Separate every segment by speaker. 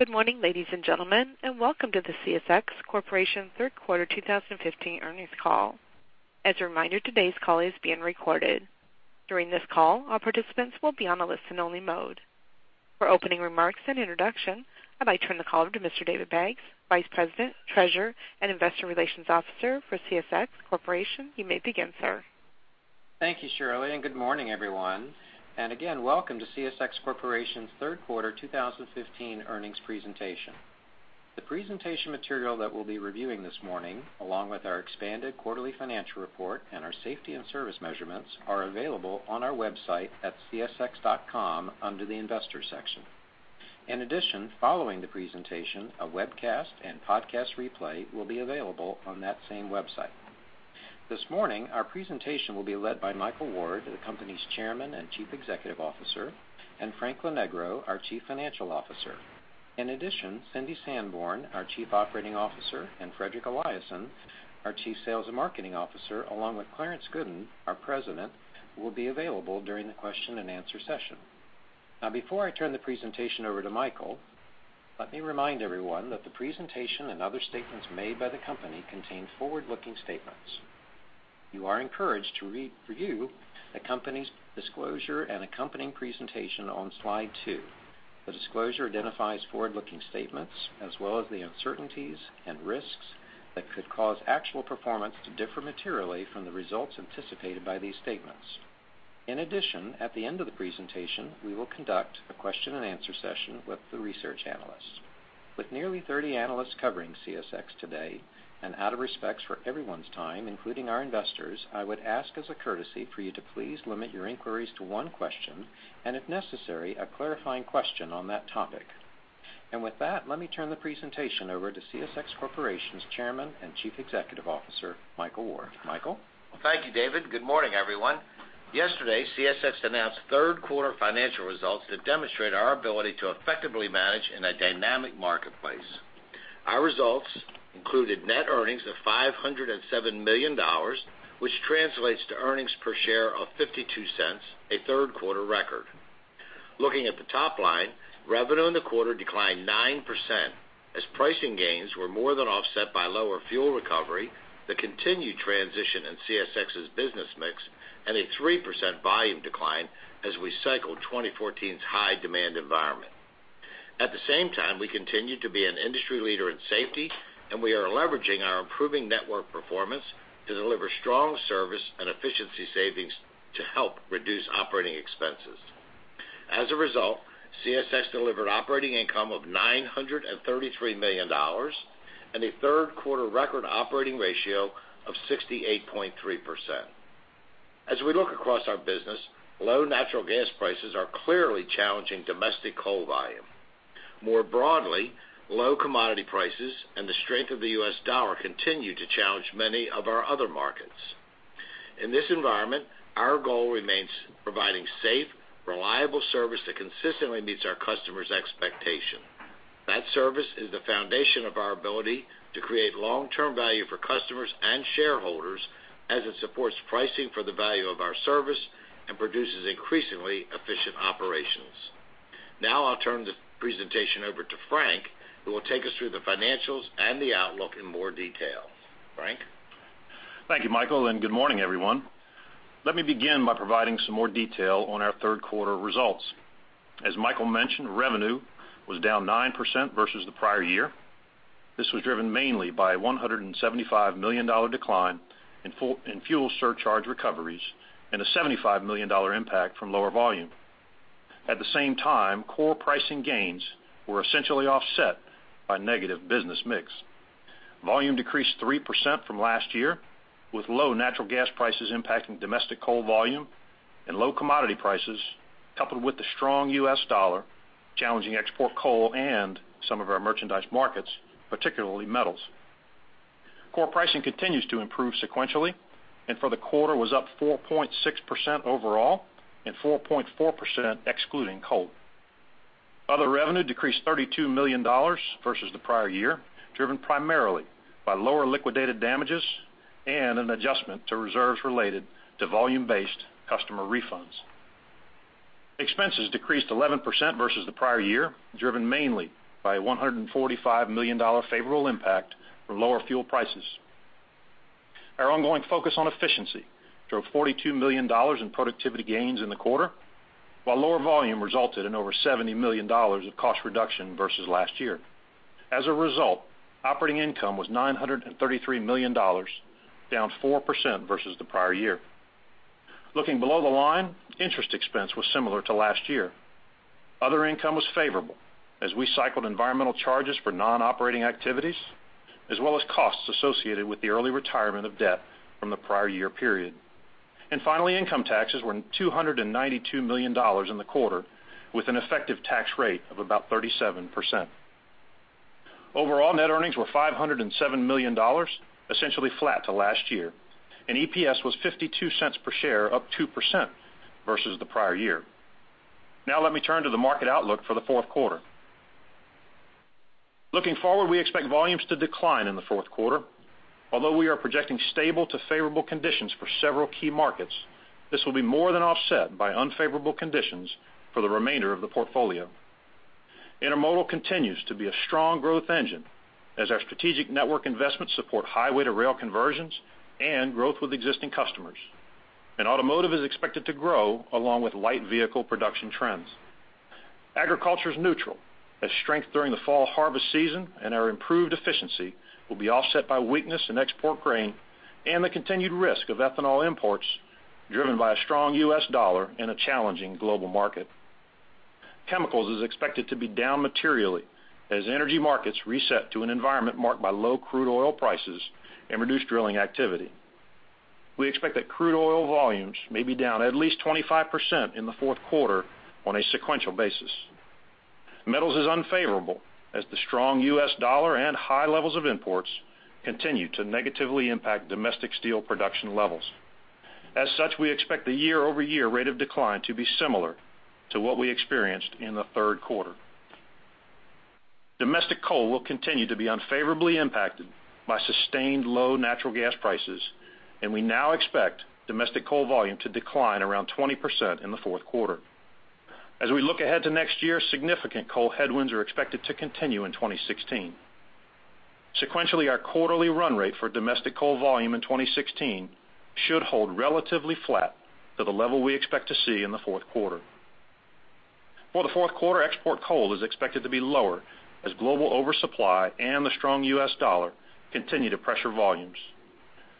Speaker 1: Good morning, ladies and gentlemen, and welcome to the CSX Corporation third quarter 2015 earnings call. As a reminder, today's call is being recorded. During this call, all participants will be on a listen-only mode. For opening remarks and introduction, I'd like to turn the call over to Mr. David Baggs, Vice President, Treasurer, and Investor Relations Officer for CSX Corporation. You may begin, sir.
Speaker 2: Thank you, Cherilyn, and good morning, everyone. And again, welcome to CSX Corporation's third quarter 2015 earnings presentation. The presentation material that we'll be reviewing this morning, along with our expanded quarterly financial report and our safety and service measurements, are available on our website at csx.com under the Investor section. In addition, following the presentation, a webcast and podcast replay will be available on that same website. This morning, our presentation will be led by Michael Ward, the company's Chairman and Chief Executive Officer, and Frank Lonegro, our Chief Financial Officer. In addition, Cindy Sanborn, our Chief Operating Officer, and, our Chief Sales and Marketing Officer, along with Clarence Gooden, our President, will be available during the question-and-answer session. Now, before I turn the presentation over to Michael, let me remind everyone that the presentation and other statements made by the company contain forward-looking statements. You are encouraged to review the company's disclosure and accompanying presentation on slide 2. The disclosure identifies forward-looking statements as well as the uncertainties and risks that could cause actual performance to differ materially from the results anticipated by these statements. In addition, at the end of the presentation, we will conduct a question-and-answer session with the research analysts. With nearly 30 analysts covering CSX today, and out of respect for everyone's time, including our investors, I would ask, as a courtesy, for you to please limit your inquiries to one question and, if necessary, a clarifying question on that topic. With that, let me turn the presentation over to CSX Corporation's Chairman and Chief Executive Officer, Michael Ward. Michael?
Speaker 3: Thank you, David. Good morning, everyone. Yesterday, CSX announced third quarter financial results that demonstrate our ability to effectively manage in a dynamic marketplace. Our results included net earnings of $507 million, which translates to earnings per share of $0.52, a third quarter record. Looking at the top line, revenue in the quarter declined 9%. As pricing gains were more than offset by lower fuel recovery, the continued transition in CSX's business mix, and a 3% volume decline as we cycled 2014's high-demand environment. At the same time, we continue to be an industry leader in safety, and we are leveraging our improving network performance to deliver strong service and efficiency savings to help reduce operating expenses. As a result, CSX delivered operating income of $933 million and a third quarter record operating ratio of 68.3%. As we look across our business, low natural gas prices are clearly challenging domestic coal volume. More broadly, low commodity prices and the strength of the U.S. dollar continue to challenge many of our other markets. In this environment, our goal remains providing safe, reliable service that consistently meets our customers' expectations. That service is the foundation of our ability to create long-term value for customers and shareholders as it supports pricing for the value of our service and produces increasingly efficient operations. Now, I'll turn the presentation over to Frank, who will take us through the financials and the outlook in more detail. Frank?
Speaker 4: Thank you, Michael, and good morning, everyone. Let me begin by providing some more detail on our third quarter results. As Michael mentioned, revenue was down 9% versus the prior year. This was driven mainly by a $175 million decline in fuel surcharge recoveries and a $75 million impact from lower volume. At the same time, core pricing gains were essentially offset by negative business mix. Volume decreased 3% from last year, with low natural gas prices impacting domestic coal volume and low commodity prices, coupled with the strong U.S. dollar challenging export coal and some of our merchandise markets, particularly metals. Core pricing continues to improve sequentially, and for the quarter was up 4.6% overall and 4.4% excluding coal. Other revenue decreased $32 million versus the prior year, driven primarily by lower liquidated damages and an adjustment to reserves related to volume-based customer refunds. Expenses decreased 11% versus the prior year, driven mainly by a $145 million favorable impact from lower fuel prices. Our ongoing focus on efficiency drove $42 million in productivity gains in the quarter, while lower volume resulted in over $70 million of cost reduction versus last year. As a result, operating income was $933 million, down 4% versus the prior year. Looking below the line, interest expense was similar to last year. Other income was favorable as we cycled environmental charges for non-operating activities as well as costs associated with the early retirement of debt from the prior year period. Finally, income taxes were $292 million in the quarter, with an effective tax rate of about 37%. Overall, net earnings were $507 million, essentially flat to last year, and EPS was $0.52 per share, up 2% versus the prior year. Now, let me turn to the market outlook for the fourth quarter. Looking forward, we expect volumes to decline in the fourth quarter. Although we are projecting stable to favorable conditions for several key markets, this will be more than offset by unfavorable conditions for the remainder of the portfolio. Intermodal continues to be a strong growth engine as our strategic network investments support highway-to-rail conversions and growth with existing customers, and automotive is expected to grow along with light vehicle production trends. Agriculture is neutral as strength during the fall harvest season and our improved efficiency will be offset by weakness in export grain and the continued risk of ethanol imports driven by a strong U.S. dollar and a challenging global market. Chemicals is expected to be down materially as energy markets reset to an environment marked by low crude oil prices and reduced drilling activity. We expect that crude oil volumes may be down at least 25% in the fourth quarter on a sequential basis. Metals is unfavorable as the strong U.S. dollar and high levels of imports continue to negatively impact domestic steel production levels. As such, we expect the year-over-year rate of decline to be similar to what we experienced in the third quarter. Domestic coal will continue to be unfavorably impacted by sustained low natural gas prices, and we now expect domestic coal volume to decline around 20% in the fourth quarter. As we look ahead to next year, significant coal headwinds are expected to continue in 2016. Sequentially, our quarterly run rate for domestic coal volume in 2016 should hold relatively flat to the level we expect to see in the fourth quarter. For the fourth quarter, export coal is expected to be lower as global oversupply and the strong U.S. dollar continue to pressure volumes.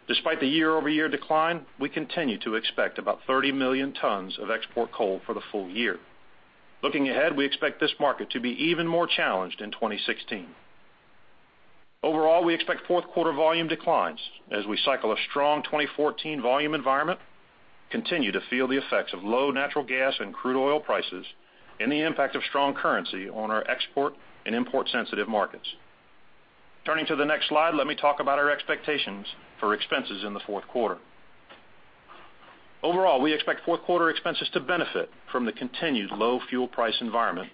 Speaker 4: Despite the year-over-year decline, we continue to expect about 30 million tons of export coal for the full year. Looking ahead, we expect this market to be even more challenged in 2016. Overall, we expect fourth quarter volume declines as we cycle a strong 2014 volume environment, continue to feel the effects of low natural gas and crude oil prices, and the impact of strong currency on our export and import-sensitive markets. Turning to the next slide, let me talk about our expectations for expenses in the fourth quarter. Overall, we expect fourth quarter expenses to benefit from the continued low fuel price environment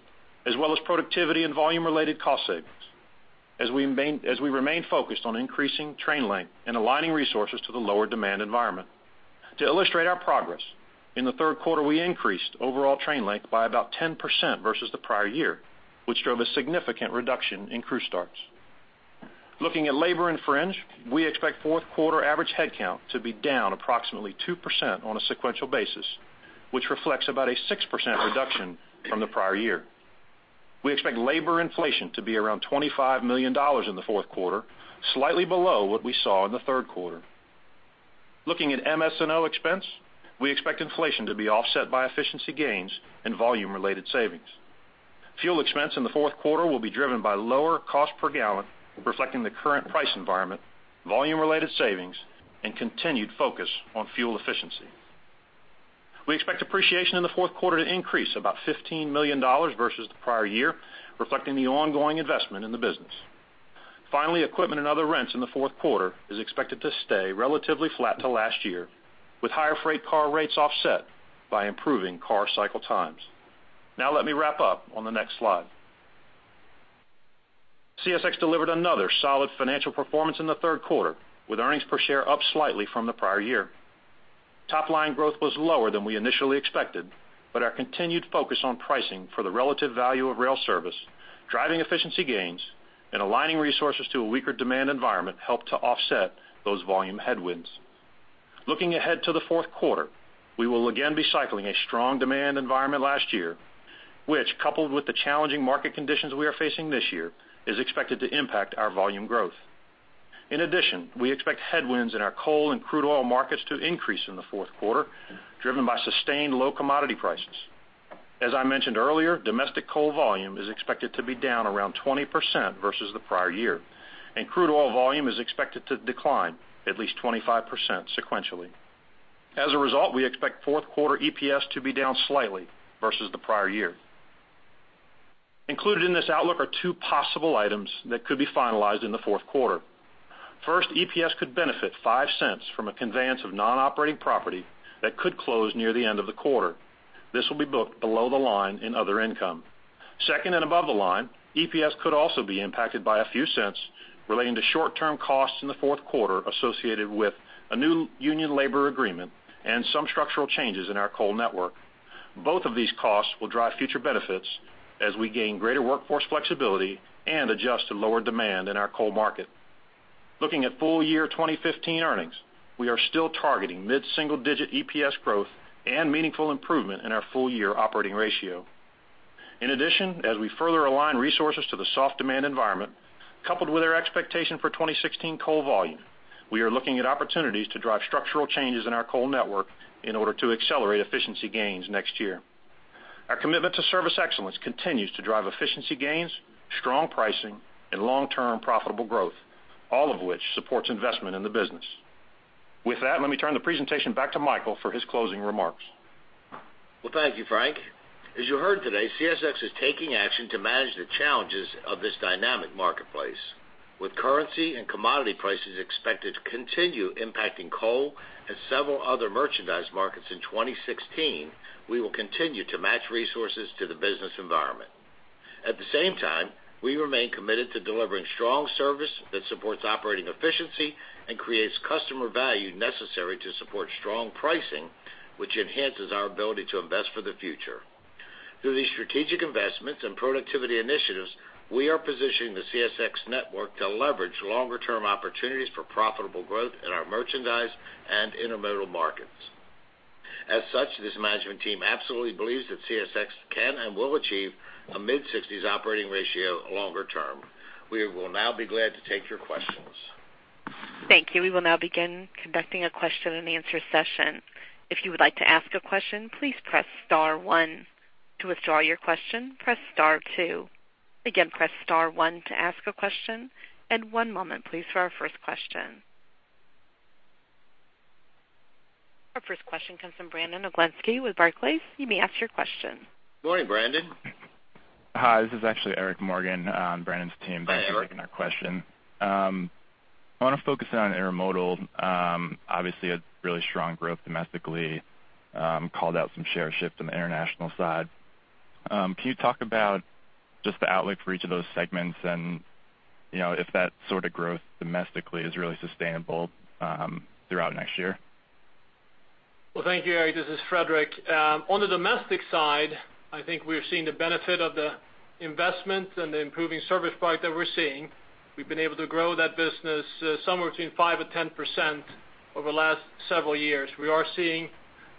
Speaker 4: as well as productivity and volume-related cost savings as we remain focused on increasing train length and aligning resources to the lower-demand environment. To illustrate our progress, in the third quarter, we increased overall train length by about 10% versus the prior year, which drove a significant reduction in crew starts. Looking at labor and fringe, we expect fourth quarter average headcount to be down approximately 2% on a sequential basis, which reflects about a 6% reduction from the prior year. We expect labor inflation to be around $25 million in the fourth quarter, slightly below what we saw in the third quarter. Looking at MS&O expense, we expect inflation to be offset by efficiency gains and volume-related savings. Fuel expense in the fourth quarter will be driven by lower cost per gallon, reflecting the current price environment, volume-related savings, and continued focus on fuel efficiency. We expect depreciation in the fourth quarter to increase about $15 million versus the prior year, reflecting the ongoing investment in the business. Finally, equipment and other rents in the fourth quarter is expected to stay relatively flat to last year, with higher freight car rates offset by improving car cycle times. Now, let me wrap up on the next slide. CSX delivered another solid financial performance in the third quarter, with earnings per share up slightly from the prior year. Top-line growth was lower than we initially expected, but our continued focus on pricing for the relative value of rail service, driving efficiency gains, and aligning resources to a weaker demand environment helped to offset those volume headwinds. Looking ahead to the fourth quarter, we will again be cycling a strong demand environment last year, which, coupled with the challenging market conditions we are facing this year, is expected to impact our volume growth. In addition, we expect headwinds in our coal and crude oil markets to increase in the fourth quarter, driven by sustained low commodity prices. As I mentioned earlier, domestic coal volume is expected to be down around 20% versus the prior year, and crude oil volume is expected to decline at least 25% sequentially. As a result, we expect fourth quarter EPS to be down slightly versus the prior year. Included in this outlook are two possible items that could be finalized in the fourth quarter. First, EPS could benefit $0.05 from a conveyance of non-operating property that could close near the end of the quarter. This will be booked below the line in other income. Second, and above the line, EPS could also be impacted by a few cents relating to short-term costs in the fourth quarter associated with a new union labor agreement and some structural changes in our coal network. Both of these costs will drive future benefits as we gain greater workforce flexibility and adjust to lower demand in our coal market. Looking at full-year 2015 earnings, we are still targeting mid-single-digit EPS growth and meaningful improvement in our full-year operating ratio. In addition, as we further align resources to the soft demand environment, coupled with our expectation for 2016 coal volume, we are looking at opportunities to drive structural changes in our coal network in order to accelerate efficiency gains next year. Our commitment to service excellence continues to drive efficiency gains, strong pricing, and long-term profitable growth, all of which supports investment in the business. With that, let me turn the presentation back to Michael for his closing remarks.
Speaker 3: Well, thank you, Frank. As you heard today, CSX is taking action to manage the challenges of this dynamic marketplace. With currency and commodity prices expected to continue impacting coal and several other merchandise markets in 2016, we will continue to match resources to the business environment. At the same time, we remain committed to delivering strong service that supports operating efficiency and creates customer value necessary to support strong pricing, which enhances our ability to invest for the future. Through these strategic investments and productivity initiatives, we are positioning the CSX network to leverage longer-term opportunities for profitable growth in our merchandise and intermodal markets. As such, this management team absolutely believes that CSX can and will achieve a mid-60s operating ratio longer term. We will now be glad to take your questions.
Speaker 1: Thank you. We will now begin conducting a question-and-answer session. If you would like to ask a question, please press star one To withdraw your question, press star two. Again, press star one to ask a question. One moment, please, for our first question. Our first question comes from Brandon Oglenski with Barclays. You may ask your question.
Speaker 3: Good morning, Brandon.
Speaker 5: Hi. This is actually Eric Morgan on Brandon's team. Thank you for taking our question. I want to focus in on intermodal. Obviously, a really strong growth domestically called out some share shift on the international side. Can you talk about just the outlook for each of those segments and if that sort of growth domestically is really sustainable throughout next year?
Speaker 6: Well, thank you, Eric. This is Fredrik. On the domestic side, I think we're seeing the benefit of the investments and the improving service product that we're seeing. We've been able to grow that business somewhere between 5%-10% over the last several years. We are seeing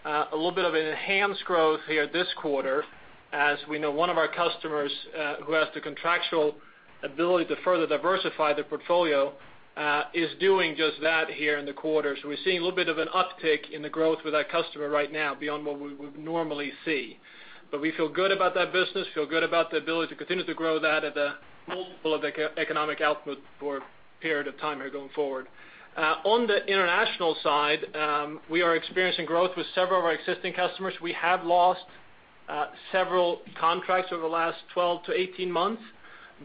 Speaker 6: a little bit of an enhanced growth here this quarter as we know one of our customers who has the contractual ability to further diversify their portfolio is doing just that here in the quarter. So we're seeing a little bit of an uptick in the growth with that customer right now beyond what we would normally see. But we feel good about that business, feel good about the ability to continue to grow that at the multiple of the economic output for a period of time here going forward. On the international side, we are experiencing growth with several of our existing customers. We have lost several contracts over the last 12-18 months,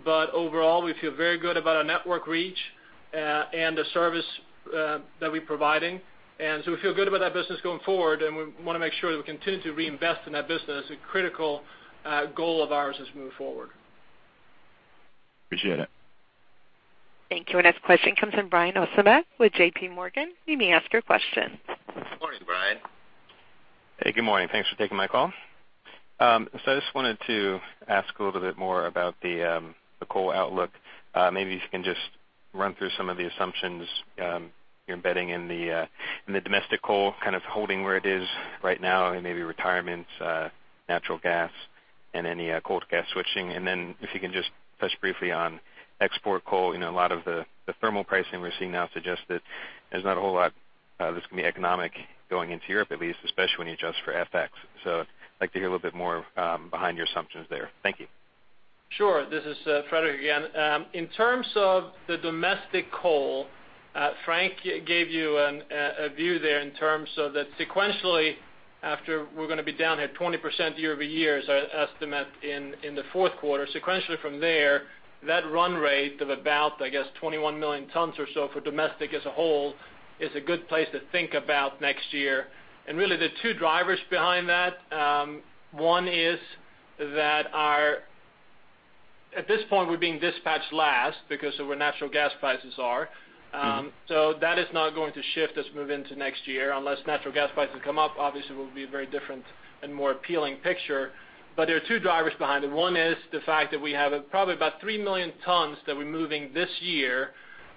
Speaker 6: but overall, we feel very good about our network reach and the service that we're providing. And so we feel good about that business going forward, and we want to make sure that we continue to reinvest in that business. A critical goal of ours is to move forward.
Speaker 5: Appreciate it.
Speaker 1: Thank you. Our next question comes from Brian Ossenbeck with J.P. Morgan. You may ask your question.
Speaker 3: Good morning, Brian.
Speaker 7: Hey, good morning. Thanks for taking my call. So I just wanted to ask a little bit more about the coal outlook. Maybe if you can just run through some of the assumptions you're embedding in the domestic coal, kind of holding where it is right now, and maybe retirements, natural gas, and any coal to gas switching. And then if you can just touch briefly on export coal. A lot of the thermal pricing we're seeing now suggests that there's not a whole lot that's going to be economic going into Europe, at least, especially when you adjust for FX. So I'd like to hear a little bit more behind your assumptions there. Thank you.
Speaker 6: Sure. This is Fredrik again. In terms of the domestic coal, Frank gave you a view there in terms of that sequentially, after we're going to be down here 20% year-over-year is our estimate in the fourth quarter. Sequentially from there, that run rate of about, I guess, 21 million tons or so for domestic as a whole is a good place to think about next year. And really, the two drivers behind that, one is that at this point, we're being dispatched last because of where natural gas prices are. So that is not going to shift as we move into next year. Unless natural gas prices come up, obviously, we'll be a very different and more appealing picture. But there are two drivers behind it. One is the fact that we have probably about 3 million tons that we're moving this year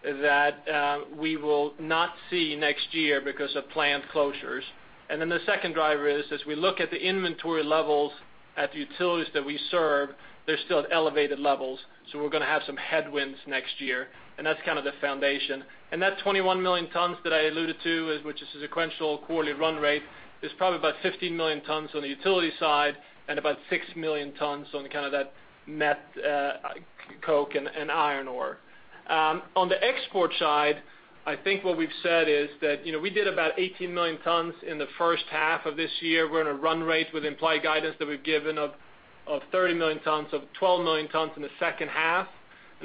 Speaker 6: that we will not see next year because of plant closures. And then the second driver is, as we look at the inventory levels at the utilities that we serve, they're still at elevated levels. So we're going to have some headwinds next year. And that's kind of the foundation. And that 21 million tons that I alluded to, which is a sequential quarterly run rate, is probably about 15 million tons on the utility side and about 6 million tons on kind of that met coke and iron ore. On the export side, I think what we've said is that we did about 18 million tons in the first half of this year. We're in a run rate with implied guidance that we've given of 30 million tons, of 12 million tons in the second half.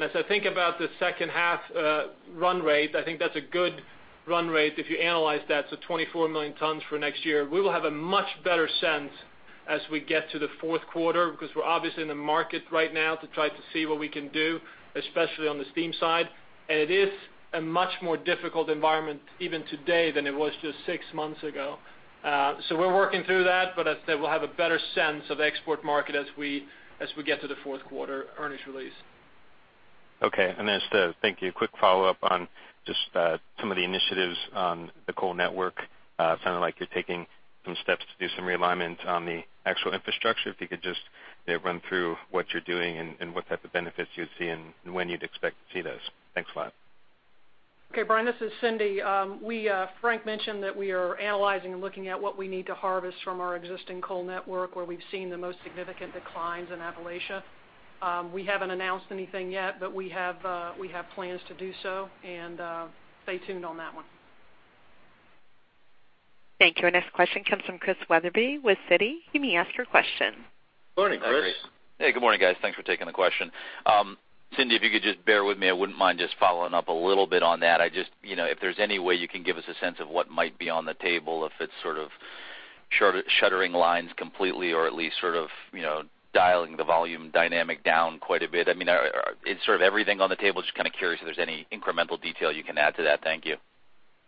Speaker 6: As I think about the second half run rate, I think that's a good run rate if you analyze that. 24 million tons for next year. We will have a much better sense as we get to the fourth quarter because we're obviously in the market right now to try to see what we can do, especially on the steam side. It is a much more difficult environment even today than it was just six months ago. We're working through that, but as I said, we'll have a better sense of the export market as we get to the fourth quarter earnings release.
Speaker 7: Okay. And then just to thank you, a quick follow-up on just some of the initiatives on the coal network. Sounded like you're taking some steps to do some realignment on the actual infrastructure. If you could just run through what you're doing and what type of benefits you would see and when you'd expect to see those? Thanks a lot.
Speaker 8: Okay, Brian. This is Cindy. Frank mentioned that we are analyzing and looking at what we need to harvest from our existing coal network where we've seen the most significant declines in Appalachia. We haven't announced anything yet, but we have plans to do so. And stay tuned on that one.
Speaker 1: Thank you. Our next question comes from Chris Weatherby with Citi. You may ask your question.
Speaker 3: Good morning, Chris.
Speaker 9: Hey, good morning, guys. Thanks for taking the question. Cindy, if you could just bear with me, I wouldn't mind just following up a little bit on that. If there's any way you can give us a sense of what might be on the table, if it's sort of shuttering lines completely or at least sort of dialing the volume dynamic down quite a bit. I mean, it's sort of everything on the table. Just kind of curious if there's any incremental detail you can add to that. Thank you.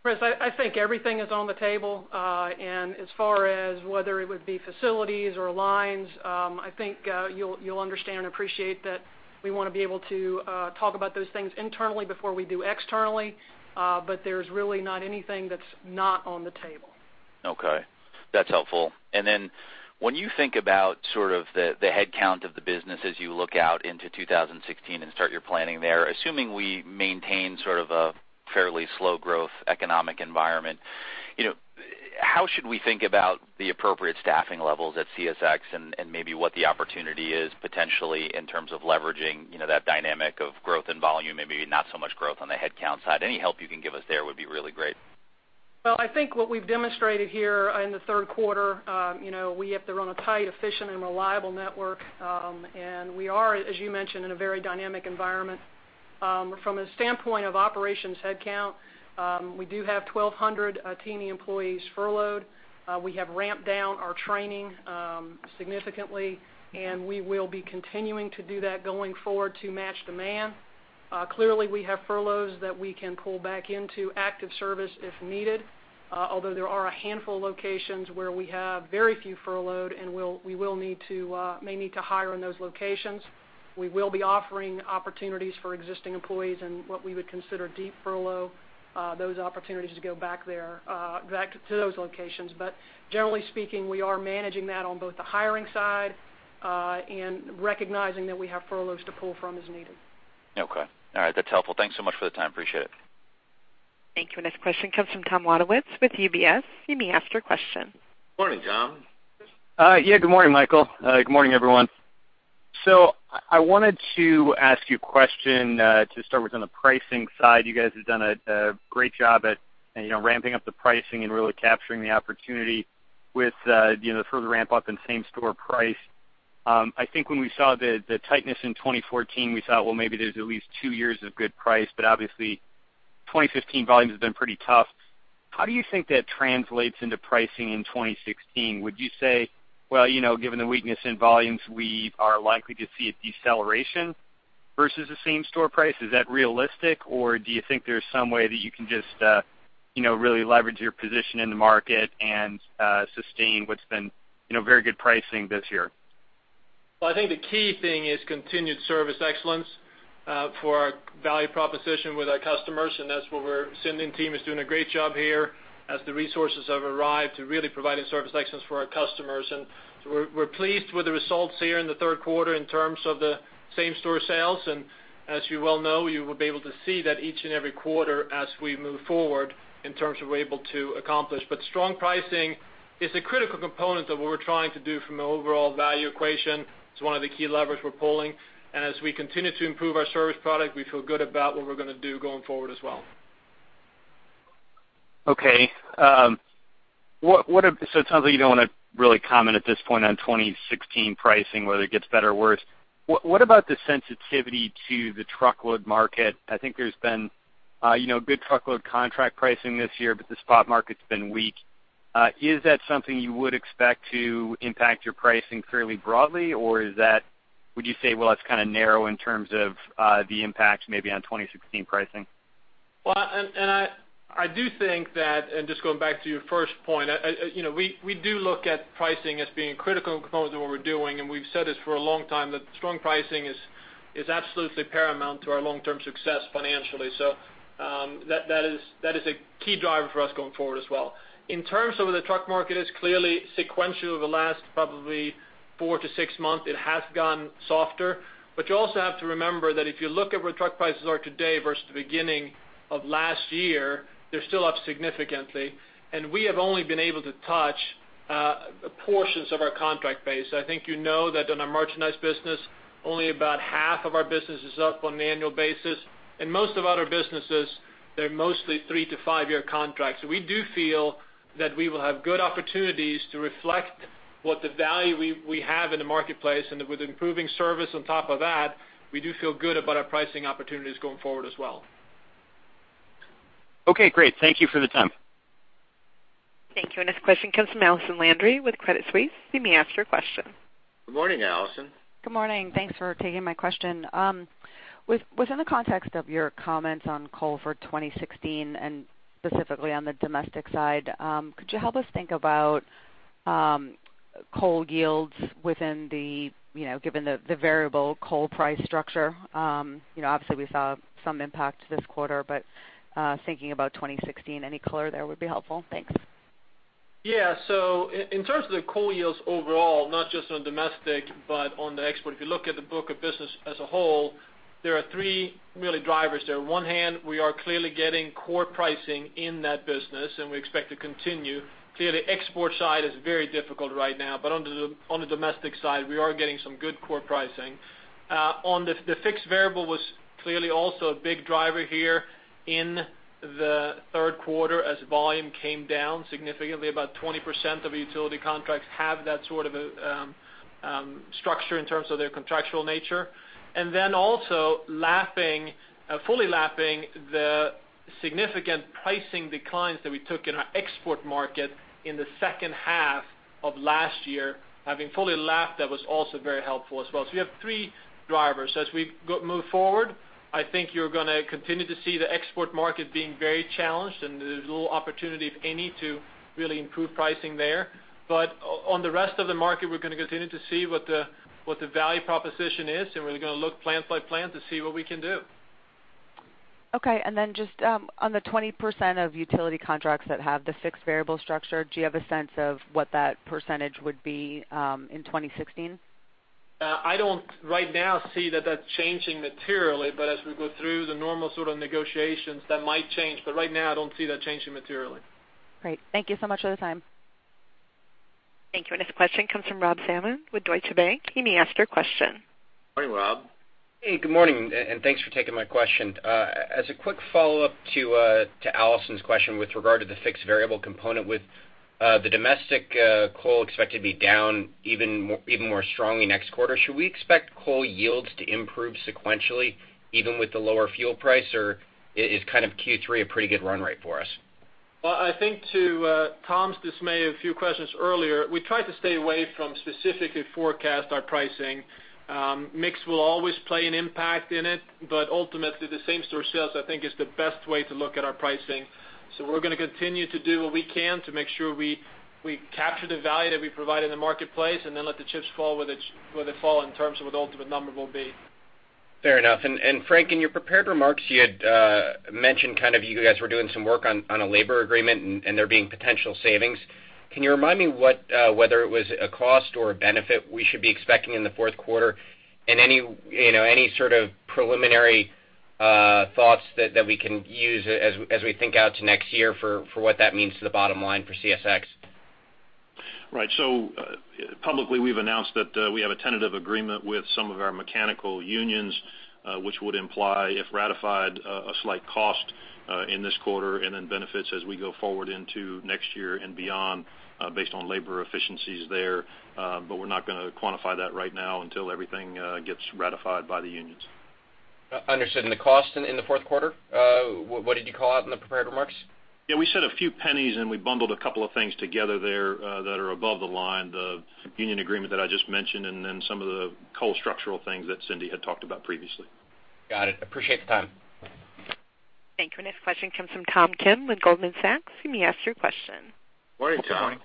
Speaker 8: Chris, I think everything is on the table. As far as whether it would be facilities or lines, I think you'll understand and appreciate that we want to be able to talk about those things internally before we do externally. There's really not anything that's not on the table.
Speaker 9: Okay. That's helpful. And then when you think about sort of the headcount of the business as you look out into 2016 and start your planning there, assuming we maintain sort of a fairly slow growth economic environment, how should we think about the appropriate staffing levels at CSX and maybe what the opportunity is potentially in terms of leveraging that dynamic of growth and volume, maybe not so much growth on the headcount side? Any help you can give us there would be really great.
Speaker 8: Well, I think what we've demonstrated here in the third quarter, we have to run a tight, efficient, and reliable network. We are, as you mentioned, in a very dynamic environment. From a standpoint of operations headcount, we do have 1,200 T&E employees furloughed. We have ramped down our training significantly, and we will be continuing to do that going forward to match demand. Clearly, we have furloughs that we can pull back into active service if needed, although there are a handful of locations where we have very few furloughed and we may need to hire in those locations. We will be offering opportunities for existing employees in what we would consider deep furlough, those opportunities to go back to those locations. But generally speaking, we are managing that on both the hiring side and recognizing that we have furloughs to pull from as needed.
Speaker 9: Okay. All right. That's helpful. Thanks so much for the time. Appreciate it.
Speaker 1: Thank you. Our next question comes from Tom Wadewitz with UBS. You may ask your question.
Speaker 3: Good morning, Tom.
Speaker 10: Yeah, good morning, Michael. Good morning, everyone. So I wanted to ask you a question to start with on the pricing side. You guys have done a great job at ramping up the pricing and really capturing the opportunity with further ramp-up and same-store price. I think when we saw the tightness in 2014, we thought, "Well, maybe there's at least two years of good price." But obviously, 2015 volume has been pretty tough. How do you think that translates into pricing in 2016? Would you say, "Well, given the weakness in volumes, we are likely to see a deceleration versus the same-store price"? Is that realistic, or do you think there's some way that you can just really leverage your position in the market and sustain what's been very good pricing this year?
Speaker 6: Well, I think the key thing is continued service excellence for our value proposition with our customers. That's what our service team is doing a great job here as the resources have arrived to really provide service excellence for our customers. We're pleased with the results here in the third quarter in terms of the same-store sales. As you well know, you will be able to see that each and every quarter as we move forward in terms of what we're able to accomplish. But strong pricing is a critical component of what we're trying to do from an overall value equation. It's one of the key levers we're pulling. As we continue to improve our service product, we feel good about what we're going to do going forward as well.
Speaker 10: Okay. So it sounds like you don't want to really comment at this point on 2016 pricing, whether it gets better or worse. What about the sensitivity to the truckload market? I think there's been good truckload contract pricing this year, but the spot market's been weak. Is that something you would expect to impact your pricing fairly broadly, or would you say, "Well, it's kind of narrow in terms of the impact maybe on 2016 pricing"?
Speaker 6: Well, and I do think that and just going back to your first point, we do look at pricing as being a critical component of what we're doing. We've said this for a long time, that strong pricing is absolutely paramount to our long-term success financially. That is a key driver for us going forward as well. In terms of where the truck market is, clearly, sequentially over the last probably 4-6 months, it has gone softer. You also have to remember that if you look at where truck prices are today versus the beginning of last year, they're still up significantly. We have only been able to touch portions of our contract base. I think you know that on our merchandise business, only about half of our business is up on an annual basis. Most of other businesses, they're mostly 3-5-year contracts. We do feel that we will have good opportunities to reflect what the value we have in the marketplace. And with improving service on top of that, we do feel good about our pricing opportunities going forward as well.
Speaker 10: Okay. Great. Thank you for the time.
Speaker 1: Thank you. Our next question comes from Allison Landry with Credit Suisse. You may ask your question.
Speaker 3: Good morning, Allison.
Speaker 11: Good morning. Thanks for taking my question. Within the context of your comments on coal for 2016 and specifically on the domestic side, could you help us think about coal yields given the variable coal price structure? Obviously, we saw some impact this quarter, but thinking about 2016, any color there would be helpful. Thanks.
Speaker 6: Yeah. So in terms of the coal yields overall, not just on domestic but on the export, if you look at the book of business as a whole, there are three really drivers there. On one hand, we are clearly getting core pricing in that business, and we expect to continue. Clearly, export side is very difficult right now. But on the domestic side, we are getting some good core pricing. The fixed variable was clearly also a big driver here in the third quarter as volume came down significantly. About 20% of utility contracts have that sort of structure in terms of their contractual nature. And then also, fully lapping the significant pricing declines that we took in our export market in the second half of last year, having fully lapped that was also very helpful as well. So you have three drivers. As we move forward, I think you're going to continue to see the export market being very challenged. And there's a little opportunity, if any, to really improve pricing there. But on the rest of the market, we're going to continue to see what the value proposition is. And we're going to look plant by plant to see what we can do.
Speaker 11: Okay. And then just on the 20% of utility contracts that have the fixed variable structure, do you have a sense of what that percentage would be in 2016?
Speaker 6: I don't right now see that that's changing materially. But as we go through the normal sort of negotiations, that might change. But right now, I don't see that changing materially.
Speaker 11: Great. Thank you so much for the time.
Speaker 1: Thank you. Our next question comes from Rob Salmon with Deutsche Bank. You may ask your question.
Speaker 3: Morning, Rob.
Speaker 12: Hey, good morning. Thanks for taking my question. As a quick follow-up to Allison's question with regard to the fixed variable component, with the domestic coal expected to be down even more strongly next quarter, should we expect coal yields to improve sequentially even with the lower fuel price, or is kind of Q3 a pretty good run rate for us?
Speaker 6: Well, I think to Tom's dismay, a few questions earlier, we tried to stay away from specifically forecast our pricing. Mix will always play an impact in it. But ultimately, the same-store sales, I think, is the best way to look at our pricing. So we're going to continue to do what we can to make sure we capture the value that we provide in the marketplace and then let the chips fall where they fall in terms of what the ultimate number will be.
Speaker 12: Fair enough. And Frank, in your prepared remarks, you had mentioned kind of you guys were doing some work on a labor agreement and there being potential savings. Can you remind me whether it was a cost or a benefit we should be expecting in the fourth quarter and any sort of preliminary thoughts that we can use as we think out to next year for what that means to the bottom line for CSX?
Speaker 4: Right. So publicly, we've announced that we have a tentative agreement with some of our mechanical unions, which would imply, if ratified, a slight cost in this quarter and then benefits as we go forward into next year and beyond based on labor efficiencies there. But we're not going to quantify that right now until everything gets ratified by the unions.
Speaker 12: Understood. And the cost in the fourth quarter, what did you call out in the prepared remarks?
Speaker 4: Yeah, we said a few pennies, and we bundled a couple of things together there that are above the line, the union agreement that I just mentioned and then some of the coal structural things that Cindy had talked about previously.
Speaker 12: Got it. Appreciate the time.
Speaker 1: Thank you. Our next question comes from Tom Kim with Goldman Sachs. You may ask your question.
Speaker 3: Morning, Tom.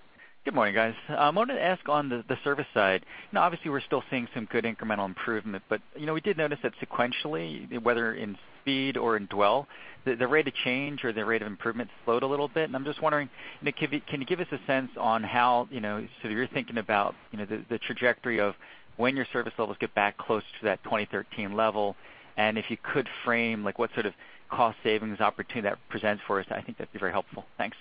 Speaker 13: Good morning, guys. I wanted to ask on the service side. Obviously, we're still seeing some good incremental improvement. But we did notice that sequentially, whether in speed or in dwell, the rate of change or the rate of improvement slowed a little bit. I'm just wondering, can you give us a sense on how, so if you're thinking about the trajectory of when your service levels get back close to that 2013 level, and if you could frame what sort of cost savings opportunity that presents for us, I think that'd be very helpful. Thanks.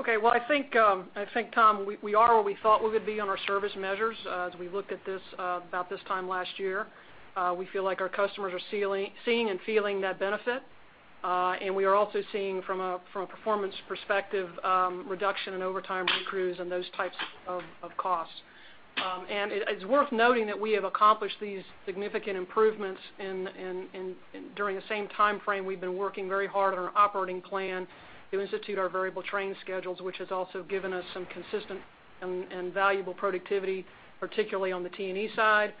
Speaker 8: Okay. Well, I think, Tom, we are where we thought we would be on our service measures as we looked at this about this time last year. We feel like our customers are seeing and feeling that benefit. And we are also seeing, from a performance perspective, reduction in overtime re-crews and those types of costs. And it's worth noting that we have accomplished these significant improvements during the same time frame we've been working very hard on our operating plan to institute our variable train schedules, which has also given us some consistent and valuable productivity, particularly on the T&E side,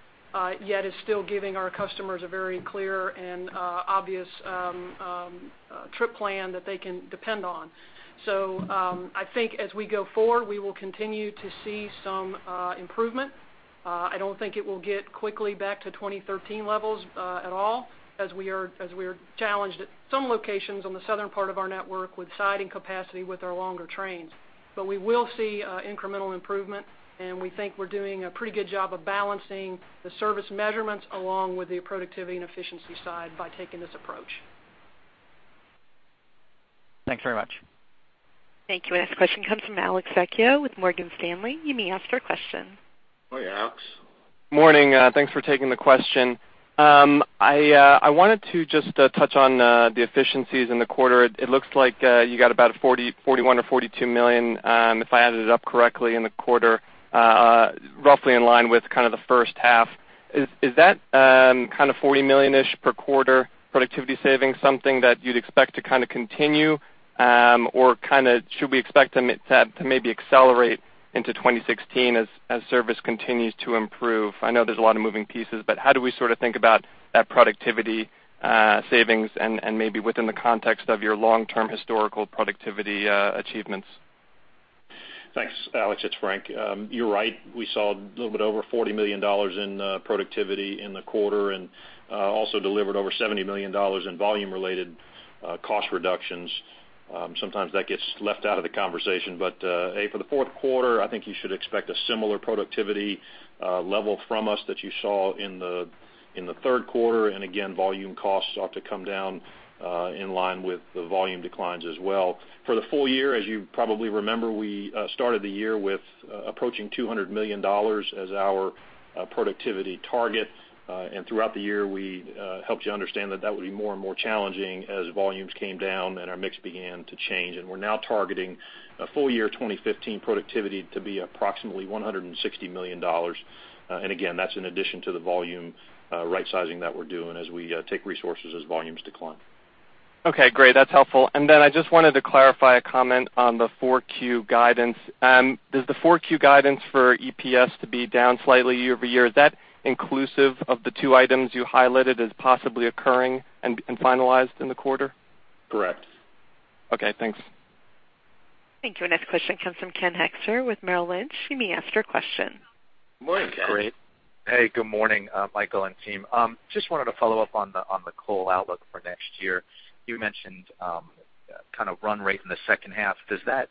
Speaker 8: yet is still giving our customers a very clear and obvious trip plan that they can depend on. So I think as we go forward, we will continue to see some improvement. I don't think it will get quickly back to 2013 levels at all as we are challenged at some locations on the southern part of our network with siding capacity with our longer trains. But we will see incremental improvement. And we think we're doing a pretty good job of balancing the service measurements along with the productivity and efficiency side by taking this approach.
Speaker 13: Thanks very much.
Speaker 1: Thank you. Our next question comes from Alex Vecchio with Morgan Stanley. You may ask your question.
Speaker 3: Morning, Alex.
Speaker 14: Morning. Thanks for taking the question. I wanted to just touch on the efficiencies in the quarter. It looks like you got about $41 million or $42 million, if I added it up correctly, in the quarter, roughly in line with kind of the first half. Is that kind of $40 million-ish per quarter productivity savings something that you'd expect to kind of continue, or kind of should we expect them to maybe accelerate into 2016 as service continues to improve? I know there's a lot of moving pieces, but how do we sort of think about that productivity savings and maybe within the context of your long-term historical productivity achievements?
Speaker 4: Thanks, Alex. It's Frank. You're right. We saw a little bit over $40 million in productivity in the quarter and also delivered over $70 million in volume-related cost reductions. Sometimes that gets left out of the conversation. For the fourth quarter, I think you should expect a similar productivity level from us that you saw in the third quarter. Again, volume costs ought to come down in line with the volume declines as well. For the full year, as you probably remember, we started the year with approaching $200 million as our productivity target. Throughout the year, we helped you understand that that would be more and more challenging as volumes came down and our mix began to change. We're now targeting a full-year 2015 productivity to be approximately $160 million. And again, that's in addition to the volume right-sizing that we're doing as we take resources as volumes decline.
Speaker 14: Okay. Great. That's helpful. And then I just wanted to clarify a comment on the 4Q guidance. Does the 4Q guidance for EPS to be down slightly year-over-year, is that inclusive of the two items you highlighted as possibly occurring and finalized in the quarter?
Speaker 4: Correct.
Speaker 14: Okay. Thanks.
Speaker 1: Thank you. Our next question comes from Ken Hoexter with Merrill Lynch. You may ask your question.
Speaker 3: Morning, Ken.
Speaker 15: Great. Hey. Good morning, Michael and team. Just wanted to follow up on the coal outlook for next year. You mentioned kind of run rate in the second half. Does that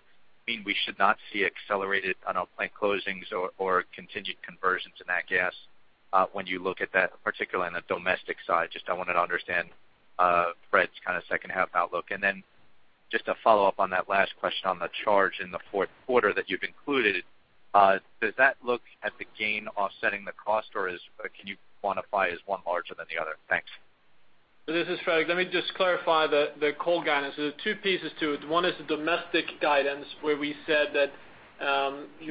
Speaker 15: mean we should not see accelerated on our plant closings or continued conversions in that gas when you look at that, particularly on the domestic side? Just, I wanted to understand Fred's kind of second-half outlook. And then just a follow-up on that last question on the charge in the fourth quarter that you've included, does that look at the gain offsetting the cost, or can you quantify as one larger than the other? Thanks.
Speaker 6: So this is Fred. Let me just clarify the coal guidance. There are two pieces to it. One is the domestic guidance where we said that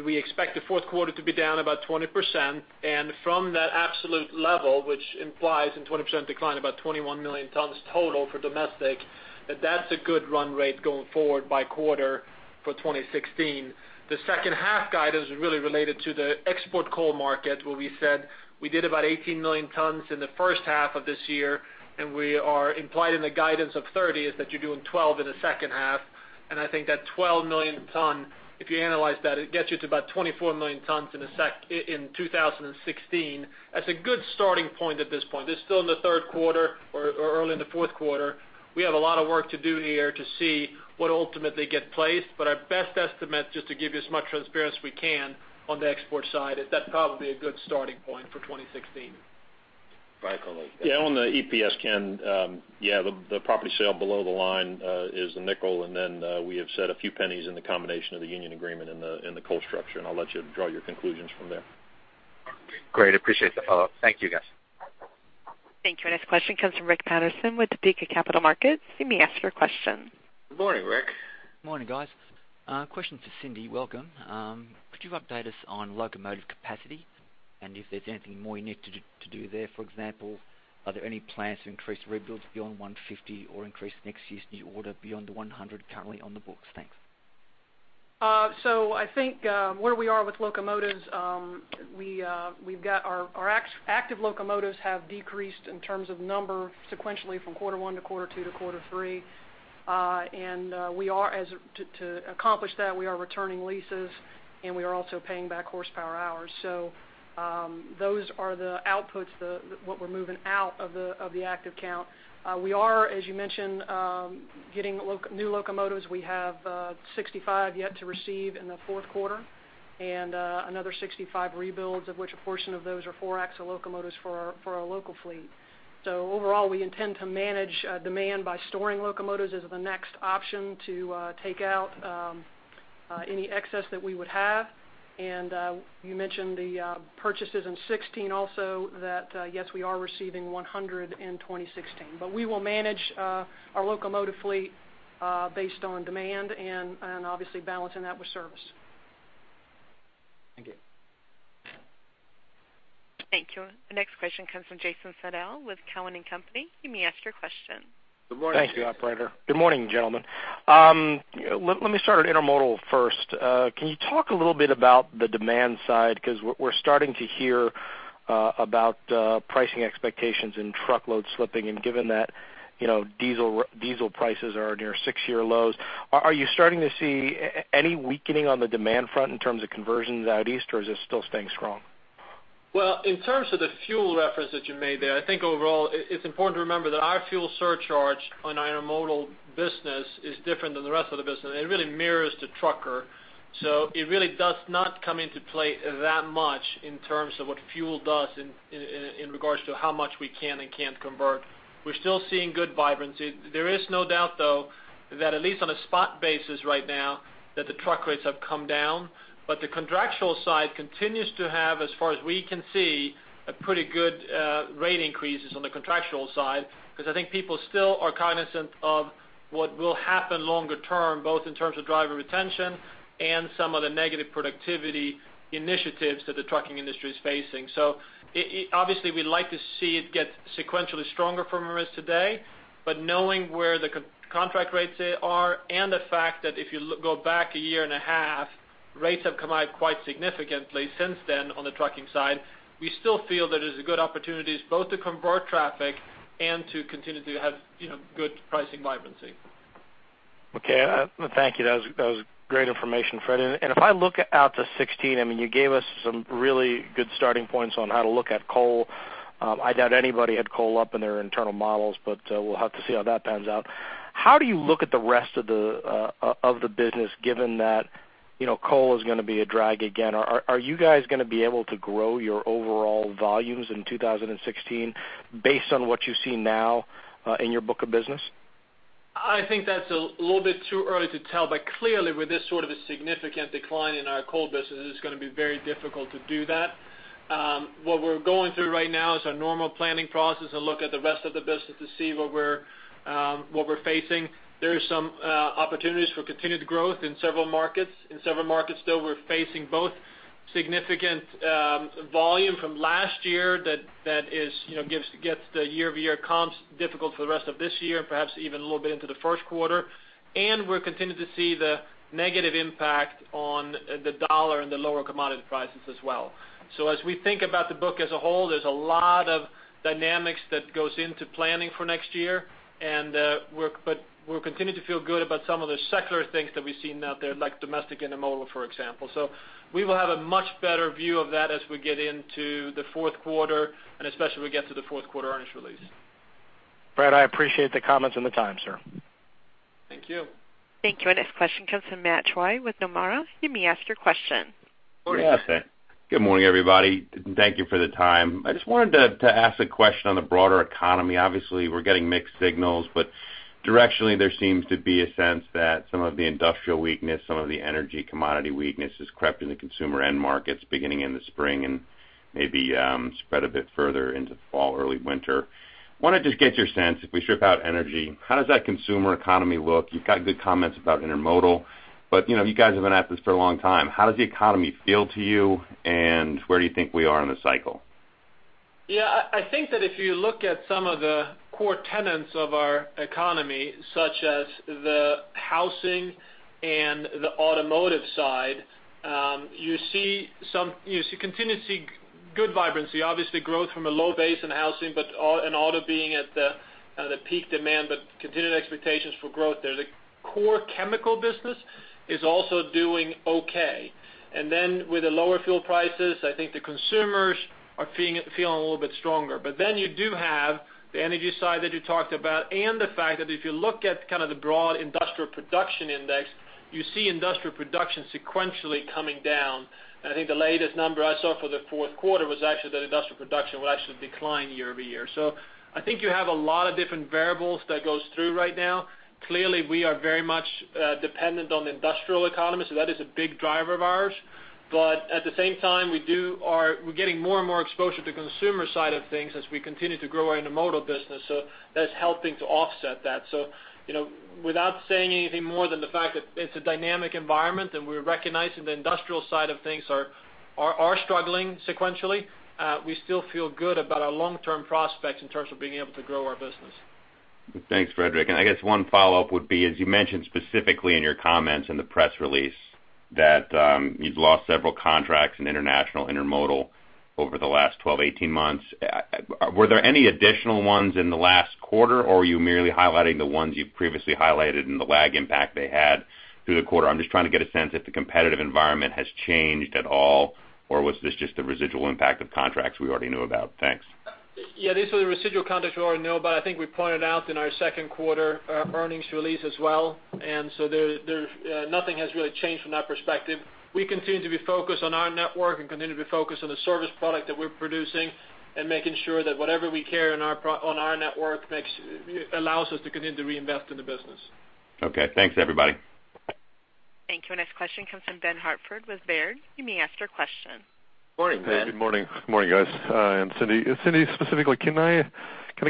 Speaker 6: we expect the fourth quarter to be down about 20%. And from that absolute level, which implies a 20% decline about 21 million tons total for domestic, that that's a good run rate going forward by quarter for 2016. The second-half guidance is really related to the export coal market where we said we did about 18 million tons in the first half of this year. And we are implied in the guidance of 30 is that you're doing 12 in the second half. And I think that 12 million ton, if you analyze that, it gets you to about 24 million tons in 2016 as a good starting point at this point. It's still in the third quarter or early in the fourth quarter. We have a lot of work to do here to see what ultimately gets placed. But our best estimate, just to give you as much transparency we can on the export side, is that probably a good starting point for 2016.
Speaker 3: Yeah. On the EPS, Ken, yeah, the property sale below the line is the nickel. And then we have said a few pennies in the combination of the union agreement and the coal structure. And I'll let you draw your conclusions from there.
Speaker 15: Great. Appreciate the follow-up. Thank you, guys.
Speaker 1: Thank you. Our next question comes from Rick Paterson with Topeka Capital Markets. You may ask your question.
Speaker 3: Good morning, Rick.
Speaker 16: Morning, guys. Question for Cindy. Welcome. Could you update us on locomotive capacity and if there's anything more you need to do there? For example, are there any plans to increase rebuilds beyond 150 or increase next year's new order beyond the 100 currently on the books? Thanks.
Speaker 8: So I think where we are with locomotives, we've got our active locomotives have decreased in terms of number sequentially from quarter one to quarter two to quarter three. And to accomplish that, we are returning leases, and we are also paying back horsepower hours. So those are the outputs, what we're moving out of the active count. We are, as you mentioned, getting new locomotives. We have 65 yet to receive in the fourth quarter and another 65 rebuilds, of which a portion of those are four-axle locomotives for our local fleet. So overall, we intend to manage demand by storing locomotives as the next option to take out any excess that we would have. And you mentioned the purchases in 2016 also that, yes, we are receiving 100 in 2016. But we will manage our locomotive fleet based on demand and obviously balancing that with service.
Speaker 16: Thank you.
Speaker 1: Thank you. Our next question comes from Jason Seidl with Cowen and Company. You may ask your question.
Speaker 3: Good morning.
Speaker 17: Thank you, operator. Good morning, gentlemen. Let me start at Intermodal first. Can you talk a little bit about the demand side? Because we're starting to hear about pricing expectations in truckload slipping. And given that diesel prices are near six-year lows, are you starting to see any weakening on the demand front in terms of conversions out east, or is this still staying strong?
Speaker 6: Well, in terms of the fuel reference that you made there, I think overall, it's important to remember that our fuel surcharge on our Intermodal business is different than the rest of the business. It really mirrors the trucker. So it really does not come into play that much in terms of what fuel does in regards to how much we can and can't convert. We're still seeing good vibrancy. There is no doubt, though, that at least on a spot basis right now, that the truck rates have come down. But the contractual side continues to have, as far as we can see, a pretty good rate increase on the contractual side because I think people still are cognizant of what will happen longer term, both in terms of driver retention and some of the negative productivity initiatives that the trucking industry is facing. Obviously, we'd like to see it get sequentially stronger from where it is today. But knowing where the contract rates are and the fact that if you go back a year and a half, rates have come out quite significantly since then on the trucking side, we still feel that there's good opportunities both to convert traffic and to continue to have good pricing vibrancy.
Speaker 17: Okay. Thank you. That was great information, Fred. And if I look out to 2016, I mean, you gave us some really good starting points on how to look at coal. I doubt anybody had coal up in their internal models, but we'll have to see how that pans out. How do you look at the rest of the business given that coal is going to be a drag again? Are you guys going to be able to grow your overall volumes in 2016 based on what you see now in your book of business?
Speaker 6: I think that's a little bit too early to tell. But clearly, with this sort of a significant decline in our coal business, it's going to be very difficult to do that. What we're going through right now is our normal planning process to look at the rest of the business to see what we're facing. There are some opportunities for continued growth in several markets. In several markets, though, we're facing both significant volume from last year that gets the year-over-year comps difficult for the rest of this year and perhaps even a little bit into the first quarter. And we're continuing to see the negative impact on the dollar and the lower commodity prices as well. So as we think about the book as a whole, there's a lot of dynamics that goes into planning for next year. We're continuing to feel good about some of the secular things that we've seen out there like domestic Intermodal, for example. We will have a much better view of that as we get into the fourth quarter and especially when we get to the fourth quarter earnings release.
Speaker 17: Fred, I appreciate the comments and the time, sir.
Speaker 6: Thank you.
Speaker 1: Thank you. Our next question comes from Matt Troy with Nomura. You may ask your question.
Speaker 18: Good morning, guys. Good morning, everybody. Thank you for the time. I just wanted to ask a question on the broader economy. Obviously, we're getting mixed signals. But directionally, there seems to be a sense that some of the industrial weakness, some of the energy commodity weakness is crept in the consumer end markets beginning in the spring and maybe spread a bit further into the fall, early winter. I want to just get your sense. If we strip out energy, how does that consumer economy look? You've got good comments about Intermodal, but you guys have been at this for a long time. How does the economy feel to you, and where do you think we are in the cycle?
Speaker 6: Yeah. I think that if you look at some of the core tenets of our economy, such as the housing and the automotive side, you continue to see good vibrancy. Obviously, growth from a low base in housing and auto being at the peak demand but continued expectations for growth there. The core chemical business is also doing okay. And then with the lower fuel prices, I think the consumers are feeling a little bit stronger. But then you do have the energy side that you talked about and the fact that if you look at kind of the broad industrial production index, you see industrial production sequentially coming down. And I think the latest number I saw for the fourth quarter was actually that industrial production would actually decline year-over-year. So I think you have a lot of different variables that go through right now. Clearly, we are very much dependent on the industrial economy, so that is a big driver of ours. But at the same time, we're getting more and more exposure to the consumer side of things as we continue to grow our Intermodal business. So that's helping to offset that. So without saying anything more than the fact that it's a dynamic environment and we're recognizing the industrial side of things are struggling sequentially, we still feel good about our long-term prospects in terms of being able to grow our business.
Speaker 18: Thanks, Fredrik. I guess one follow-up would be, as you mentioned specifically in your comments in the press release, that you've lost several contracts in international Intermodal over the last 12, 18 months. Were there any additional ones in the last quarter, or are you merely highlighting the ones you've previously highlighted and the lag impact they had through the quarter? I'm just trying to get a sense if the competitive environment has changed at all, or was this just the residual impact of contracts we already knew about? Thanks.
Speaker 6: Yeah. These were the residual contracts we already knew about. I think we pointed out in our second quarter earnings release as well. And so nothing has really changed from that perspective. We continue to be focused on our network and continue to be focused on the service product that we're producing and making sure that whatever we carry on our network allows us to continue to reinvest in the business.
Speaker 18: Okay. Thanks, everybody.
Speaker 1: Thank you. Our next question comes from Ben Hartford with Baird. You may ask your question.
Speaker 3: Morning, Ben.
Speaker 19: Hey. Good morning. Good morning, guys. And Cindy, specifically, can I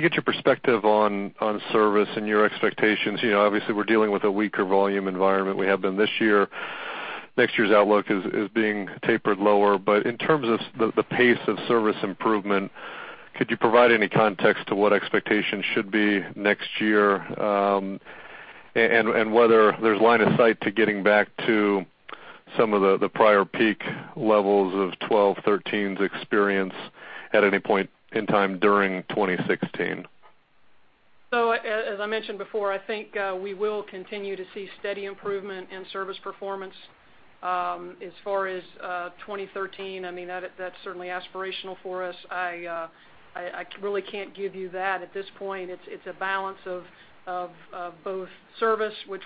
Speaker 19: get your perspective on service and your expectations? Obviously, we're dealing with a weaker volume environment we have been this year. Next year's outlook is being tapered lower. But in terms of the pace of service improvement, could you provide any context to what expectations should be next year and whether there's line of sight to getting back to some of the prior peak levels of 2012, 2013's experience at any point in time during 2016?
Speaker 8: So as I mentioned before, I think we will continue to see steady improvement in service performance as far as 2013. I mean, that's certainly aspirational for us. I really can't give you that at this point. It's a balance of both service, which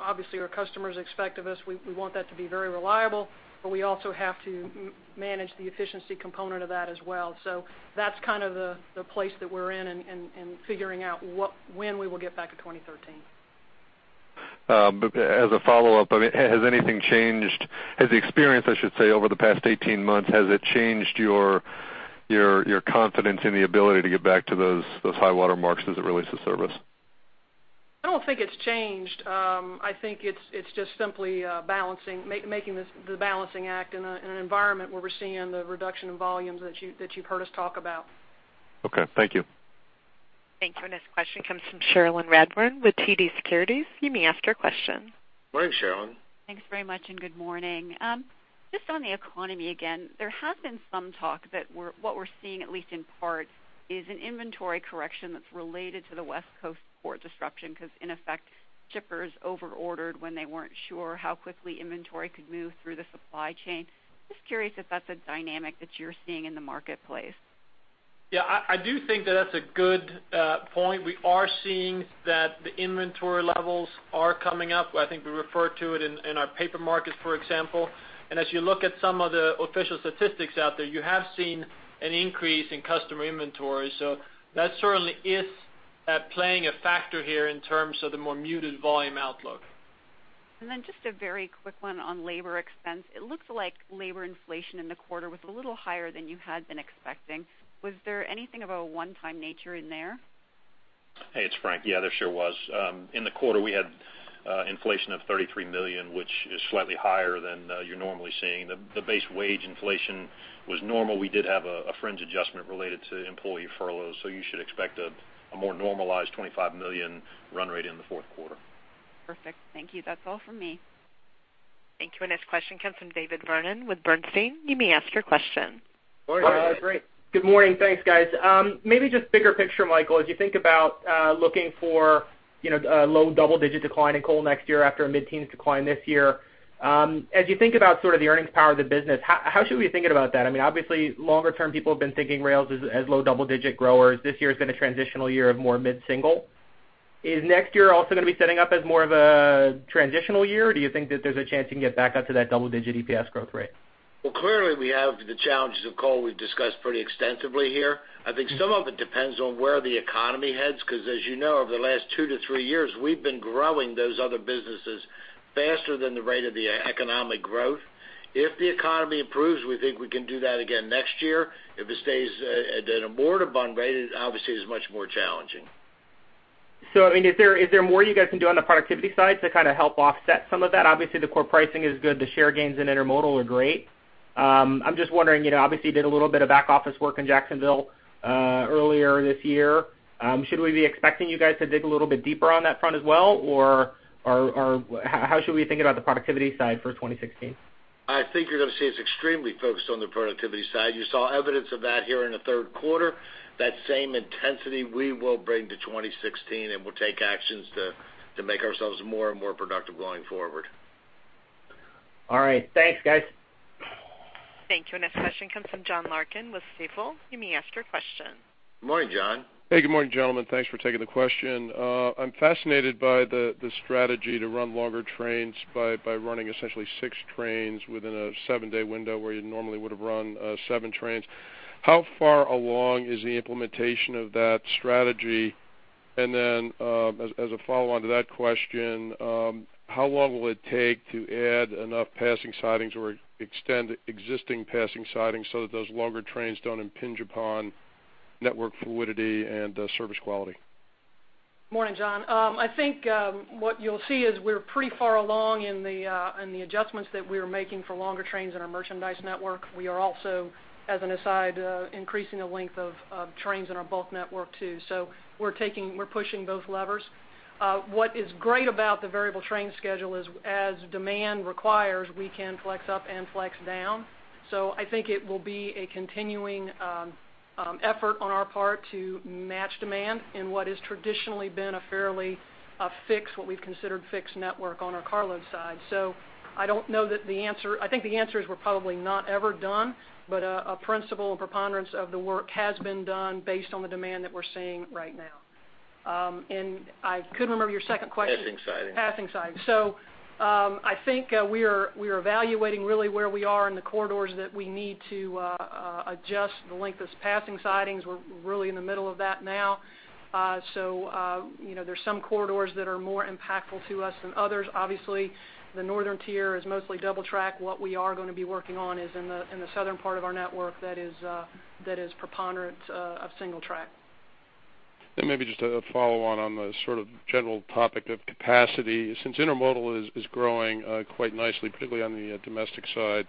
Speaker 8: obviously our customers expect of us. We want that to be very reliable, but we also have to manage the efficiency component of that as well. So that's kind of the place that we're in and figuring out when we will get back to 2013.
Speaker 19: As a follow-up, I mean, has anything changed? Has the experience, I should say, over the past 18 months, has it changed your confidence in the ability to get back to those high watermarks as it releases service?
Speaker 8: I don't think it's changed. I think it's just simply making the balancing act in an environment where we're seeing the reduction in volumes that you've heard us talk about.
Speaker 19: Okay. Thank you.
Speaker 1: Thank you. Our next question comes from Cherilyn Radbourne with TD Securities. You may ask your question.
Speaker 3: Morning, Cherilyn.
Speaker 20: Thanks very much and good morning. Just on the economy again, there has been some talk that what we're seeing, at least in part, is an inventory correction that's related to the West Coast port disruption because, in effect, shippers overordered when they weren't sure how quickly inventory could move through the supply chain. Just curious if that's a dynamic that you're seeing in the marketplace.
Speaker 6: Yeah. I do think that that's a good point. We are seeing that the inventory levels are coming up. I think we refer to it in our paper markets, for example. As you look at some of the official statistics out there, you have seen an increase in customer inventory. So that certainly is playing a factor here in terms of the more muted volume outlook.
Speaker 20: Just a very quick one on labor expense. It looks like labor inflation in the quarter was a little higher than you had been expecting. Was there anything of a one-time nature in there?
Speaker 4: Hey. It's Frank. Yeah. There sure was. In the quarter, we had inflation of $33 million, which is slightly higher than you're normally seeing. The base wage inflation was normal. We did have a fringe adjustment related to employee furloughs. So you should expect a more normalized $25 million run rate in the fourth quarter.
Speaker 20: Perfect. Thank you. That's all from me.
Speaker 1: Thank you. Our next question comes from David Vernon with Bernstein. You may ask your question.
Speaker 21: Hi. Good morning. Thanks, guys. Maybe just bigger picture, Michael. As you think about looking for a low double-digit decline in coal next year after a mid-teens decline this year, as you think about sort of the earnings power of the business, how should we be thinking about that? I mean, obviously, longer-term, people have been thinking rails as low double-digit growers. This year is going to be a transitional year of more mid-single. Is next year also going to be setting up as more of a transitional year, or do you think that there's a chance you can get back up to that double-digit EPS growth rate?
Speaker 3: Well, clearly, we have the challenges of coal we've discussed pretty extensively here. I think some of it depends on where the economy heads because, as you know, over the last 2-3 years, we've been growing those other businesses faster than the rate of the economic growth. If the economy improves, we think we can do that again next year. If it stays at a borderline rate, obviously, it's much more challenging.
Speaker 21: So I mean, is there more you guys can do on the productivity side to kind of help offset some of that? Obviously, the core pricing is good. The share gains in Intermodal are great. I'm just wondering, obviously, you did a little bit of back-office work in Jacksonville earlier this year. Should we be expecting you guys to dig a little bit deeper on that front as well, or how should we think about the productivity side for 2016?
Speaker 3: I think you're going to see it's extremely focused on the productivity side. You saw evidence of that here in the third quarter. That same intensity, we will bring to 2016, and we'll take actions to make ourselves more and more productive going forward.
Speaker 21: All right. Thanks, guys.
Speaker 1: Thank you. Our next question comes from John Larkin with Stifel. You may ask your question.
Speaker 3: Good morning, John.
Speaker 22: Hey. Good morning, gentlemen. Thanks for taking the question. I'm fascinated by the strategy to run longer trains by running essentially 6 trains within a 7-day window where you normally would have run 7 trains. How far along is the implementation of that strategy? And then as a follow-on to that question, how long will it take to add enough passing sidings or extend existing passing sidings so that those longer trains don't impinge upon network fluidity and service quality?
Speaker 8: Morning, John. I think what you'll see is we're pretty far along in the adjustments that we're making for longer trains in our merchandise network. We are also, as an aside, increasing the length of trains in our bulk network too. So we're pushing both levers. What is great about the variable train schedule is, as demand requires, we can flex up and flex down. So I think it will be a continuing effort on our part to match demand in what has traditionally been a fairly fixed, what we've considered fixed network on our carload side. So I don't know that. I think the answer is we're probably not ever done, but a principal and preponderance of the work has been done based on the demand that we're seeing right now. And I couldn't remember your second question.
Speaker 3: Passing siding.
Speaker 8: Passing siding. I think we are evaluating really where we are in the corridors that we need to adjust the length of passing sidings. We're really in the middle of that now. There's some corridors that are more impactful to us than others. Obviously, the Northern Tier is mostly double-track. What we are going to be working on is in the southern part of our network that is preponderant of single-track.
Speaker 22: Maybe just a follow-on on the sort of general topic of capacity. Since Intermodal is growing quite nicely, particularly on the domestic side,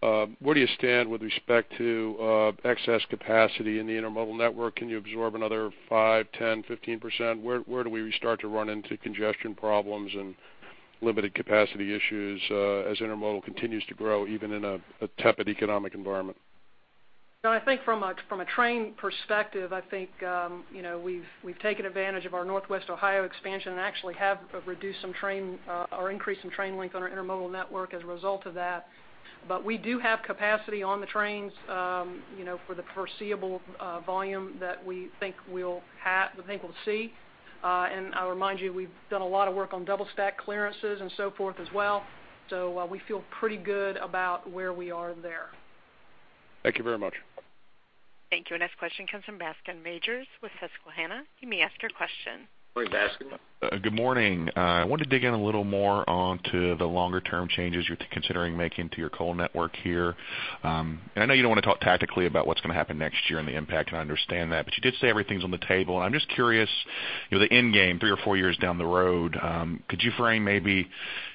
Speaker 22: where do you stand with respect to excess capacity in the Intermodal network? Can you absorb another 5%, 10%, 15%? Where do we start to run into congestion problems and limited capacity issues as Intermodal continues to grow even in a tepid economic environment?
Speaker 8: No. I think from a train perspective, I think we've taken advantage of our Northwest Ohio expansion and actually have reduced some train or increased some train length on our Intermodal network as a result of that. But we do have capacity on the trains for the foreseeable volume that we think we'll see. And I'll remind you, we've done a lot of work on double-stack clearances and so forth as well. So we feel pretty good about where we are there.
Speaker 22: Thank you very much.
Speaker 1: Thank you. Our next question comes from Bascome Majors with Susquehanna. You may ask your question.
Speaker 3: Morning, Bascome.
Speaker 23: Good morning. I wanted to dig in a little more onto the longer-term changes you're considering making to your coal network here. I know you don't want to talk tactically about what's going to happen next year and the impact, and I understand that. You did say everything's on the table. I'm just curious, the end game, three or four years down the road, could you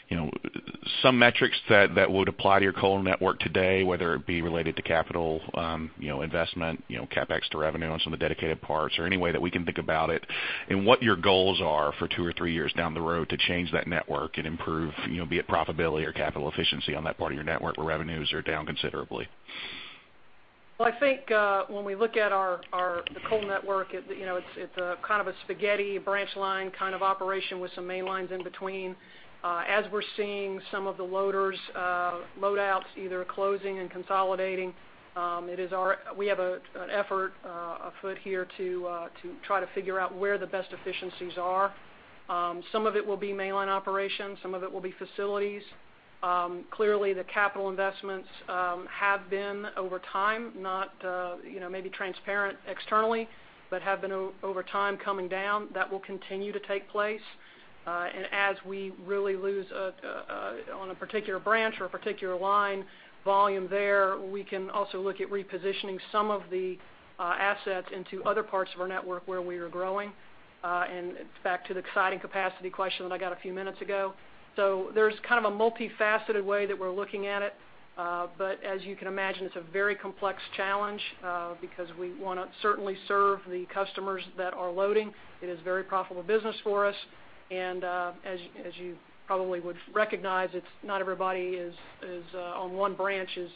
Speaker 23: frame maybe some metrics that would apply to your coal network today, whether it be related to capital investment, CapEx to revenue, and some of the dedicated parts, or any way that we can think about it, and what your goals are for two or three years down the road to change that network and improve, be it profitability or capital efficiency on that part of your network where revenues are down considerably?
Speaker 8: Well, I think when we look at the coal network, it's kind of a spaghetti branch line kind of operation with some main lines in between. As we're seeing some of the loaders loadouts either closing and consolidating, we have an effort afoot here to try to figure out where the best efficiencies are. Some of it will be mainline operations. Some of it will be facilities. Clearly, the capital investments have been over time, not maybe transparent externally, but have been over time coming down. That will continue to take place. And as we really lose on a particular branch or a particular line volume there, we can also look at repositioning some of the assets into other parts of our network where we are growing. And back to the exciting capacity question that I got a few minutes ago. There's kind of a multifaceted way that we're looking at it. But as you can imagine, it's a very complex challenge because we want to certainly serve the customers that are loading. It is very profitable business for us. As you probably would recognize, not everybody on one branch is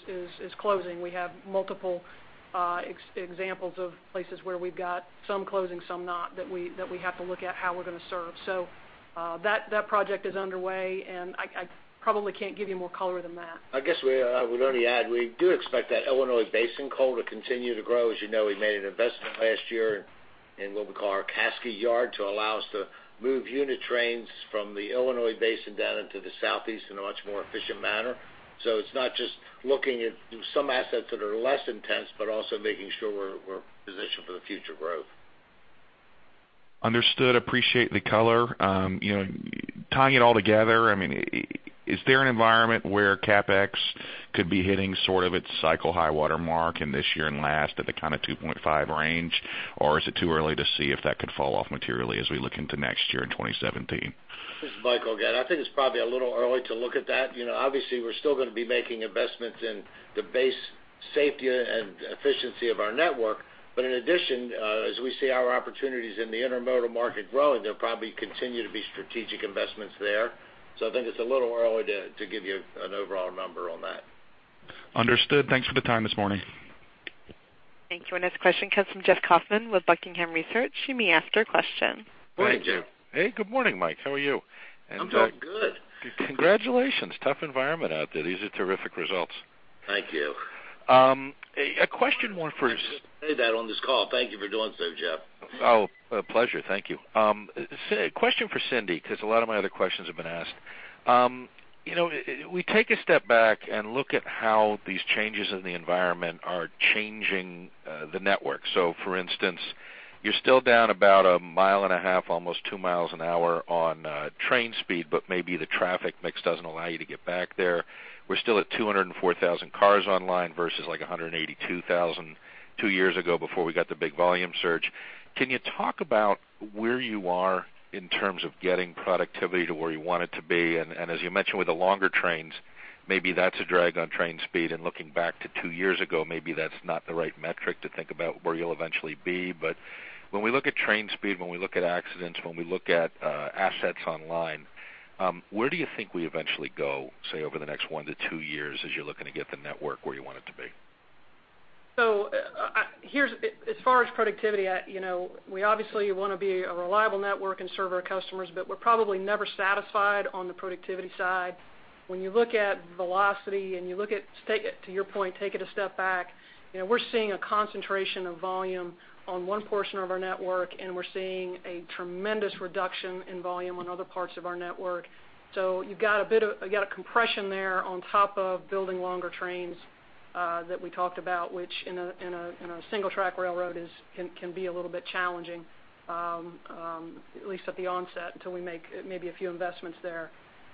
Speaker 8: closing. We have multiple examples of places where we've got some closing, some not, that we have to look at how we're going to serve. That project is underway, and I probably can't give you more color than that.
Speaker 3: I guess I would only add we do expect that Illinois Basin coal to continue to grow. As you know, we made an investment last year in what we call our Casky Yard to allow us to move unit trains from the Illinois Basin down into the Southeast in a much more efficient manner. So it's not just looking at some assets that are less intense but also making sure we're positioned for the future growth.
Speaker 23: Understood. Appreciate the color. Tying it all together, I mean, is there an environment where CapEx could be hitting sort of its cycle high watermark in this year and last at the kind of 2.5 range, or is it too early to see if that could fall off materially as we look into next year and 2017?
Speaker 3: Just Michael again. I think it's probably a little early to look at that. Obviously, we're still going to be making investments in the base safety and efficiency of our network. But in addition, as we see our opportunities in the Intermodal market growing, there'll probably continue to be strategic investments there. So I think it's a little early to give you an overall number on that.
Speaker 23: Understood. Thanks for the time this morning.
Speaker 1: Thank you. Our next question comes from Jeff Kauffman with Buckingham Research. You may ask your question.
Speaker 3: Hi, Jeff.
Speaker 24: Hey. Good morning, Mike. How are you?
Speaker 3: I'm doing good.
Speaker 24: Congratulations. Tough environment out there. These are terrific results.
Speaker 3: Thank you.
Speaker 24: A question more for.
Speaker 3: I'm just going to say that on this call. Thank you for doing so, Jeff.
Speaker 24: Oh, a pleasure. Thank you. A question for Cindy because a lot of my other questions have been asked. We take a step back and look at how these changes in the environment are changing the network. So for instance, you're still down about a mile and a half, almost two miles an hour on train speed, but maybe the traffic mix doesn't allow you to get back there. We're still at 204,000 cars online versus 182,000 two years ago before we got the big volume surge. Can you talk about where you are in terms of getting productivity to where you want it to be? And as you mentioned, with the longer trains, maybe that's a drag on train speed. And looking back to two years ago, maybe that's not the right metric to think about where you'll eventually be. When we look at train speed, when we look at accidents, when we look at assets online, where do you think we eventually go, say, over the next 1-2 years as you're looking to get the network where you want it to be?
Speaker 8: So as far as productivity, we obviously want to be a reliable network and serve our customers, but we're probably never satisfied on the productivity side. When you look at velocity and you look at, to your point, take it a step back, we're seeing a concentration of volume on one portion of our network, and we're seeing a tremendous reduction in volume on other parts of our network. So you've got a compression there on top of building longer trains that we talked about, which in a single-track railroad can be a little bit challenging, at least at the onset until we make maybe a few investments there.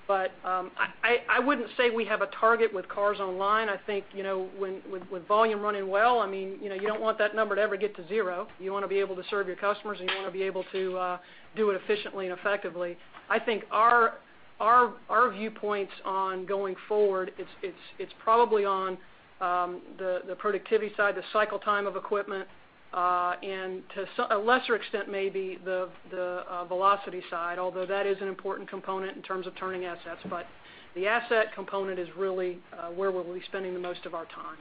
Speaker 8: But I wouldn't say we have a target with cars online. I think with volume running well, I mean, you don't want that number to ever get to zero. You want to be able to serve your customers, and you want to be able to do it efficiently and effectively. I think our viewpoints on going forward, it's probably on the productivity side, the cycle time of equipment, and to a lesser extent, maybe the velocity side, although that is an important component in terms of turning assets. The asset component is really where we'll be spending the most of our time.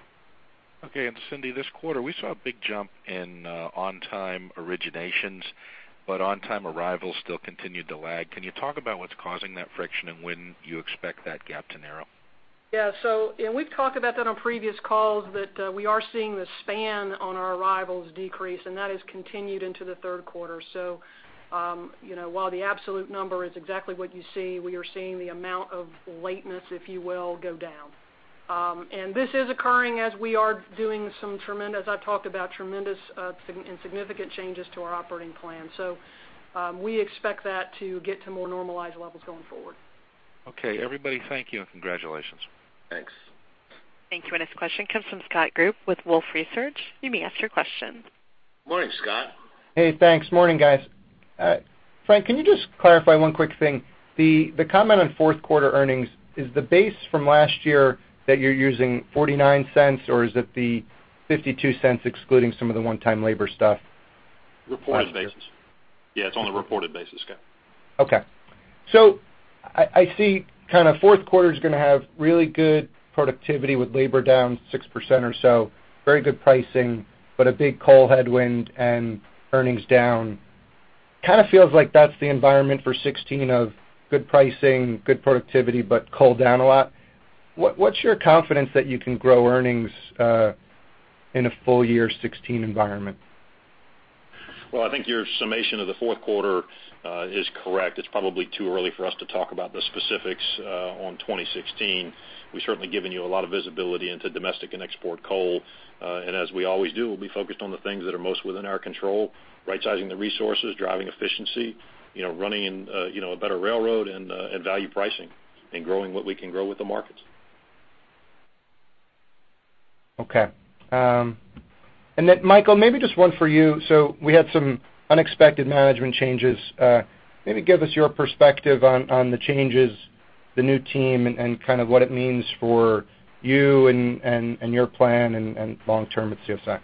Speaker 24: Okay. Cindy, this quarter, we saw a big jump in on-time originations, but on-time arrivals still continued to lag. Can you talk about what's causing that friction and when you expect that gap to narrow?
Speaker 8: Yeah. So we've talked about that on previous calls, that we are seeing the span on our arrivals decrease, and that has continued into the third quarter. So while the absolute number is exactly what you see, we are seeing the amount of lateness, if you will, go down. And this is occurring as we are doing some, as I've talked about, tremendous and significant changes to our operating plan. So we expect that to get to more normalized levels going forward.
Speaker 24: Okay. Everybody, thank you and congratulations.
Speaker 3: Thanks.
Speaker 1: Thank you. Our next question comes from Scott Group with Wolfe Research. You may ask your question.
Speaker 3: Morning, Scott.
Speaker 25: Hey. Thanks. Morning, guys. Frank, can you just clarify one quick thing? The comment on fourth-quarter earnings, is the base from last year that you're using $0.49, or is it the $0.52 excluding some of the one-time labor stuff?
Speaker 4: Reported basis. Yeah. It's on the reported basis, Scott.
Speaker 25: Okay. So I see kind of fourth quarter's going to have really good productivity with labor down 6% or so, very good pricing, but a big coal headwind and earnings down. Kind of feels like that's the environment for 2016 of good pricing, good productivity, but coal down a lot. What's your confidence that you can grow earnings in a full-year 2016 environment?
Speaker 4: Well, I think your summation of the fourth quarter is correct. It's probably too early for us to talk about the specifics on 2016. We've certainly given you a lot of visibility into domestic and export coal. And as we always do, we'll be focused on the things that are most within our control: right-sizing the resources, driving efficiency, running a better railroad, and value pricing, and growing what we can grow with the markets.
Speaker 25: Okay. And then, Michael, maybe just one for you. So we had some unexpected management changes. Maybe give us your perspective on the changes, the new team, and kind of what it means for you and your plan and long-term at CSX.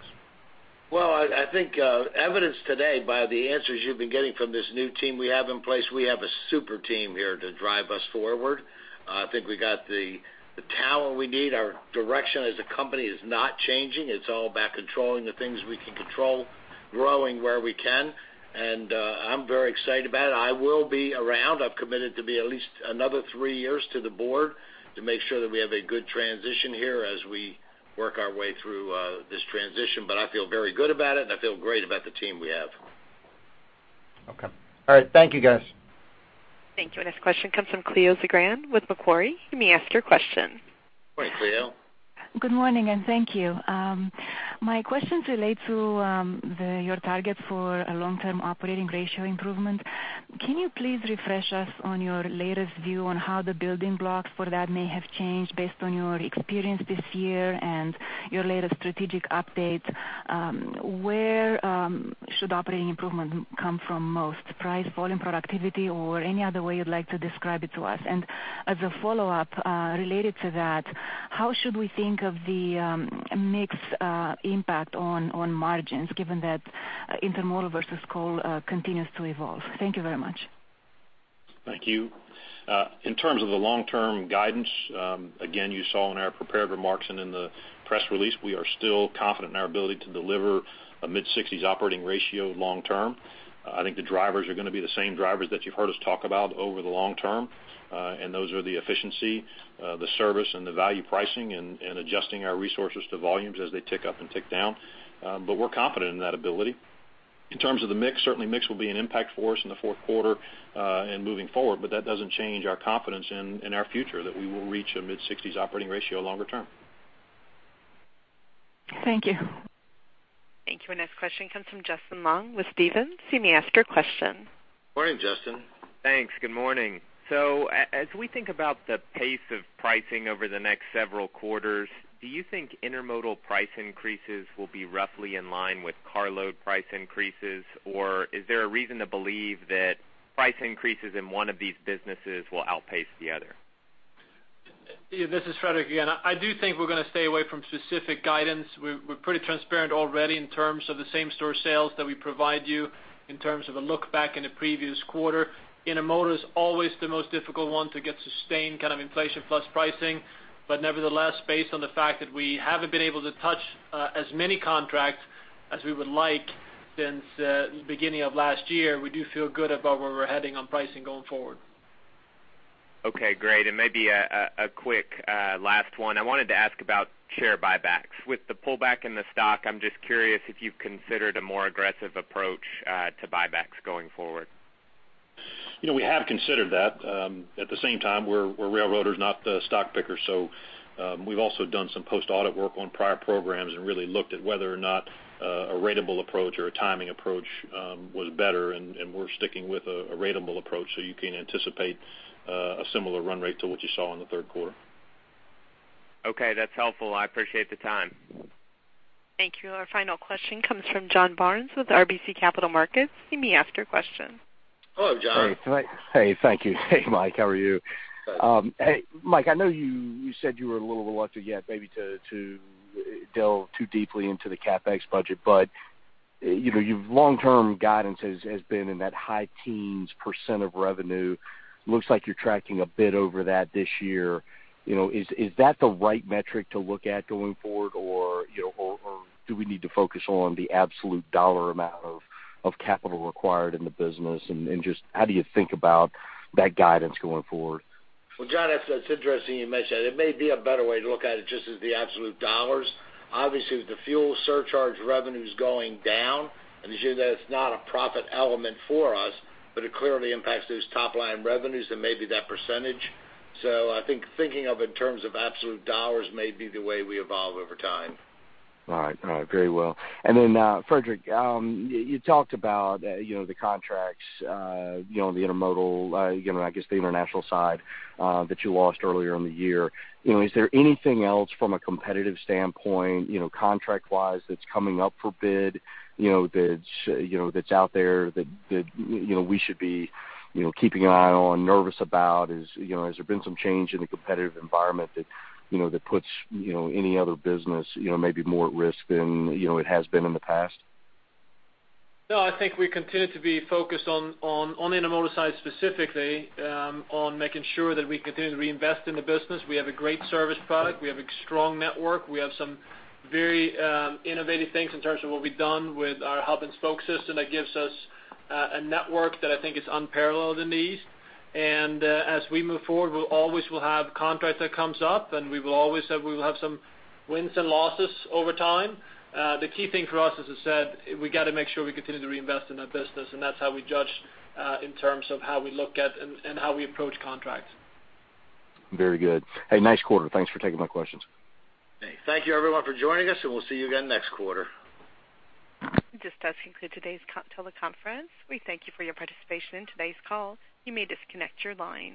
Speaker 3: Well, I think evidenced today by the answers you've been getting from this new team we have in place, we have a super team here to drive us forward. I think we got the talent we need. Our direction as a company is not changing. It's all about controlling the things we can control, growing where we can. I'm very excited about it. I will be around. I've committed to be at least another three years to the board to make sure that we have a good transition here as we work our way through this transition. I feel very good about it, and I feel great about the team we have.
Speaker 25: Okay. All right. Thank you, guys.
Speaker 1: Thank you. Our next question comes from Cleo Zagrean with Macquarie. You may ask your question.
Speaker 3: Morning, Cleo.
Speaker 26: Good morning, and thank you. My questions relate to your target for a long-term operating ratio improvement. Can you please refresh us on your latest view on how the building blocks for that may have changed based on your experience this year and your latest strategic updates? Where should operating improvement come from most: price, volume, productivity, or any other way you'd like to describe it to us? And as a follow-up related to that, how should we think of the mix impact on margins given that Intermodal versus coal continues to evolve? Thank you very much.
Speaker 3: Thank you. In terms of the long-term guidance, again, you saw in our prepared remarks and in the press release, we are still confident in our ability to deliver a mid-60s operating ratio long-term. I think the drivers are going to be the same drivers that you've heard us talk about over the long term. And those are the efficiency, the service, and the value pricing, and adjusting our resources to volumes as they tick up and tick down. But we're confident in that ability. In terms of the mix, certainly, mix will be an impact for us in the fourth quarter and moving forward. But that doesn't change our confidence in our future that we will reach a mid-60s operating ratio longer term.
Speaker 26: Thank you.
Speaker 1: Thank you. Our next question comes from Justin Long with Stephens. You may ask your question.
Speaker 3: Morning, Justin.
Speaker 27: Thanks. Good morning. So as we think about the pace of pricing over the next several quarters, do you think Intermodal price increases will be roughly in line with carload price increases, or is there a reason to believe that price increases in one of these businesses will outpace the other?
Speaker 6: This is Fredrik again. I do think we're going to stay away from specific guidance. We're pretty transparent already in terms of the same-store sales that we provide you in terms of a look back in the previous quarter. Intermodal is always the most difficult one to get sustained kind of inflation-plus pricing. But nevertheless, based on the fact that we haven't been able to touch as many contracts as we would like since the beginning of last year, we do feel good about where we're heading on pricing going forward.
Speaker 27: Okay. Great. And maybe a quick last one. I wanted to ask about share buybacks. With the pullback in the stock, I'm just curious if you've considered a more aggressive approach to buybacks going forward.
Speaker 3: We have considered that. At the same time, we're railroaders, not the stock pickers. So we've also done some post-audit work on prior programs and really looked at whether or not a ratable approach or a timing approach was better. And we're sticking with a ratable approach so you can anticipate a similar run rate to what you saw in the third quarter.
Speaker 27: Okay. That's helpful. I appreciate the time.
Speaker 1: Thank you. Our final question comes from John Barnes with RBC Capital Markets. You may ask your question.
Speaker 3: Hello, John.
Speaker 28: Hey. Thank you. Hey, Mike. How are you? Hey, Mike, I know you said you were a little reluctant yet maybe to delve too deeply into the CapEx budget. But your long-term guidance has been in that high-teens % of revenue. Looks like you're tracking a bit over that this year. Is that the right metric to look at going forward, or do we need to focus on the absolute dollar amount of capital required in the business? And just how do you think about that guidance going forward?
Speaker 3: Well, John, it's interesting you mentioned that. It may be a better way to look at it just as the absolute dollars. Obviously, with the fuel surcharge revenues going down, and as you know, that's not a profit element for us, but it clearly impacts those top-line revenues, and maybe that percentage. So I think thinking of it in terms of absolute dollars may be the way we evolve over time.
Speaker 28: All right. All right. Very well. And then, Fredrik, you talked about the contracts on the Intermodal, I guess the international side, that you lost earlier in the year. Is there anything else from a competitive standpoint, contract-wise, that's coming up for bid that's out there that we should be keeping an eye on, nervous about? Has there been some change in the competitive environment that puts any other business maybe more at risk than it has been in the past?
Speaker 6: No. I think we continue to be focused on the Intermodal side specifically, on making sure that we continue to reinvest in the business. We have a great service product. We have a strong network. We have some very innovative things in terms of what we've done with our hub and spoke system that gives us a network that I think is unparalleled in the East. And as we move forward, we always will have contracts that come up, and we will always have some wins and losses over time. The key thing for us, as I said, we got to make sure we continue to reinvest in that business. And that's how we judge in terms of how we look at and how we approach contracts.
Speaker 28: Very good. Hey, nice quarter. Thanks for taking my questions.
Speaker 3: Hey. Thank you, everyone, for joining us, and we'll see you again next quarter.
Speaker 1: That concludes today's teleconference. We thank you for your participation in today's call. You may disconnect your line.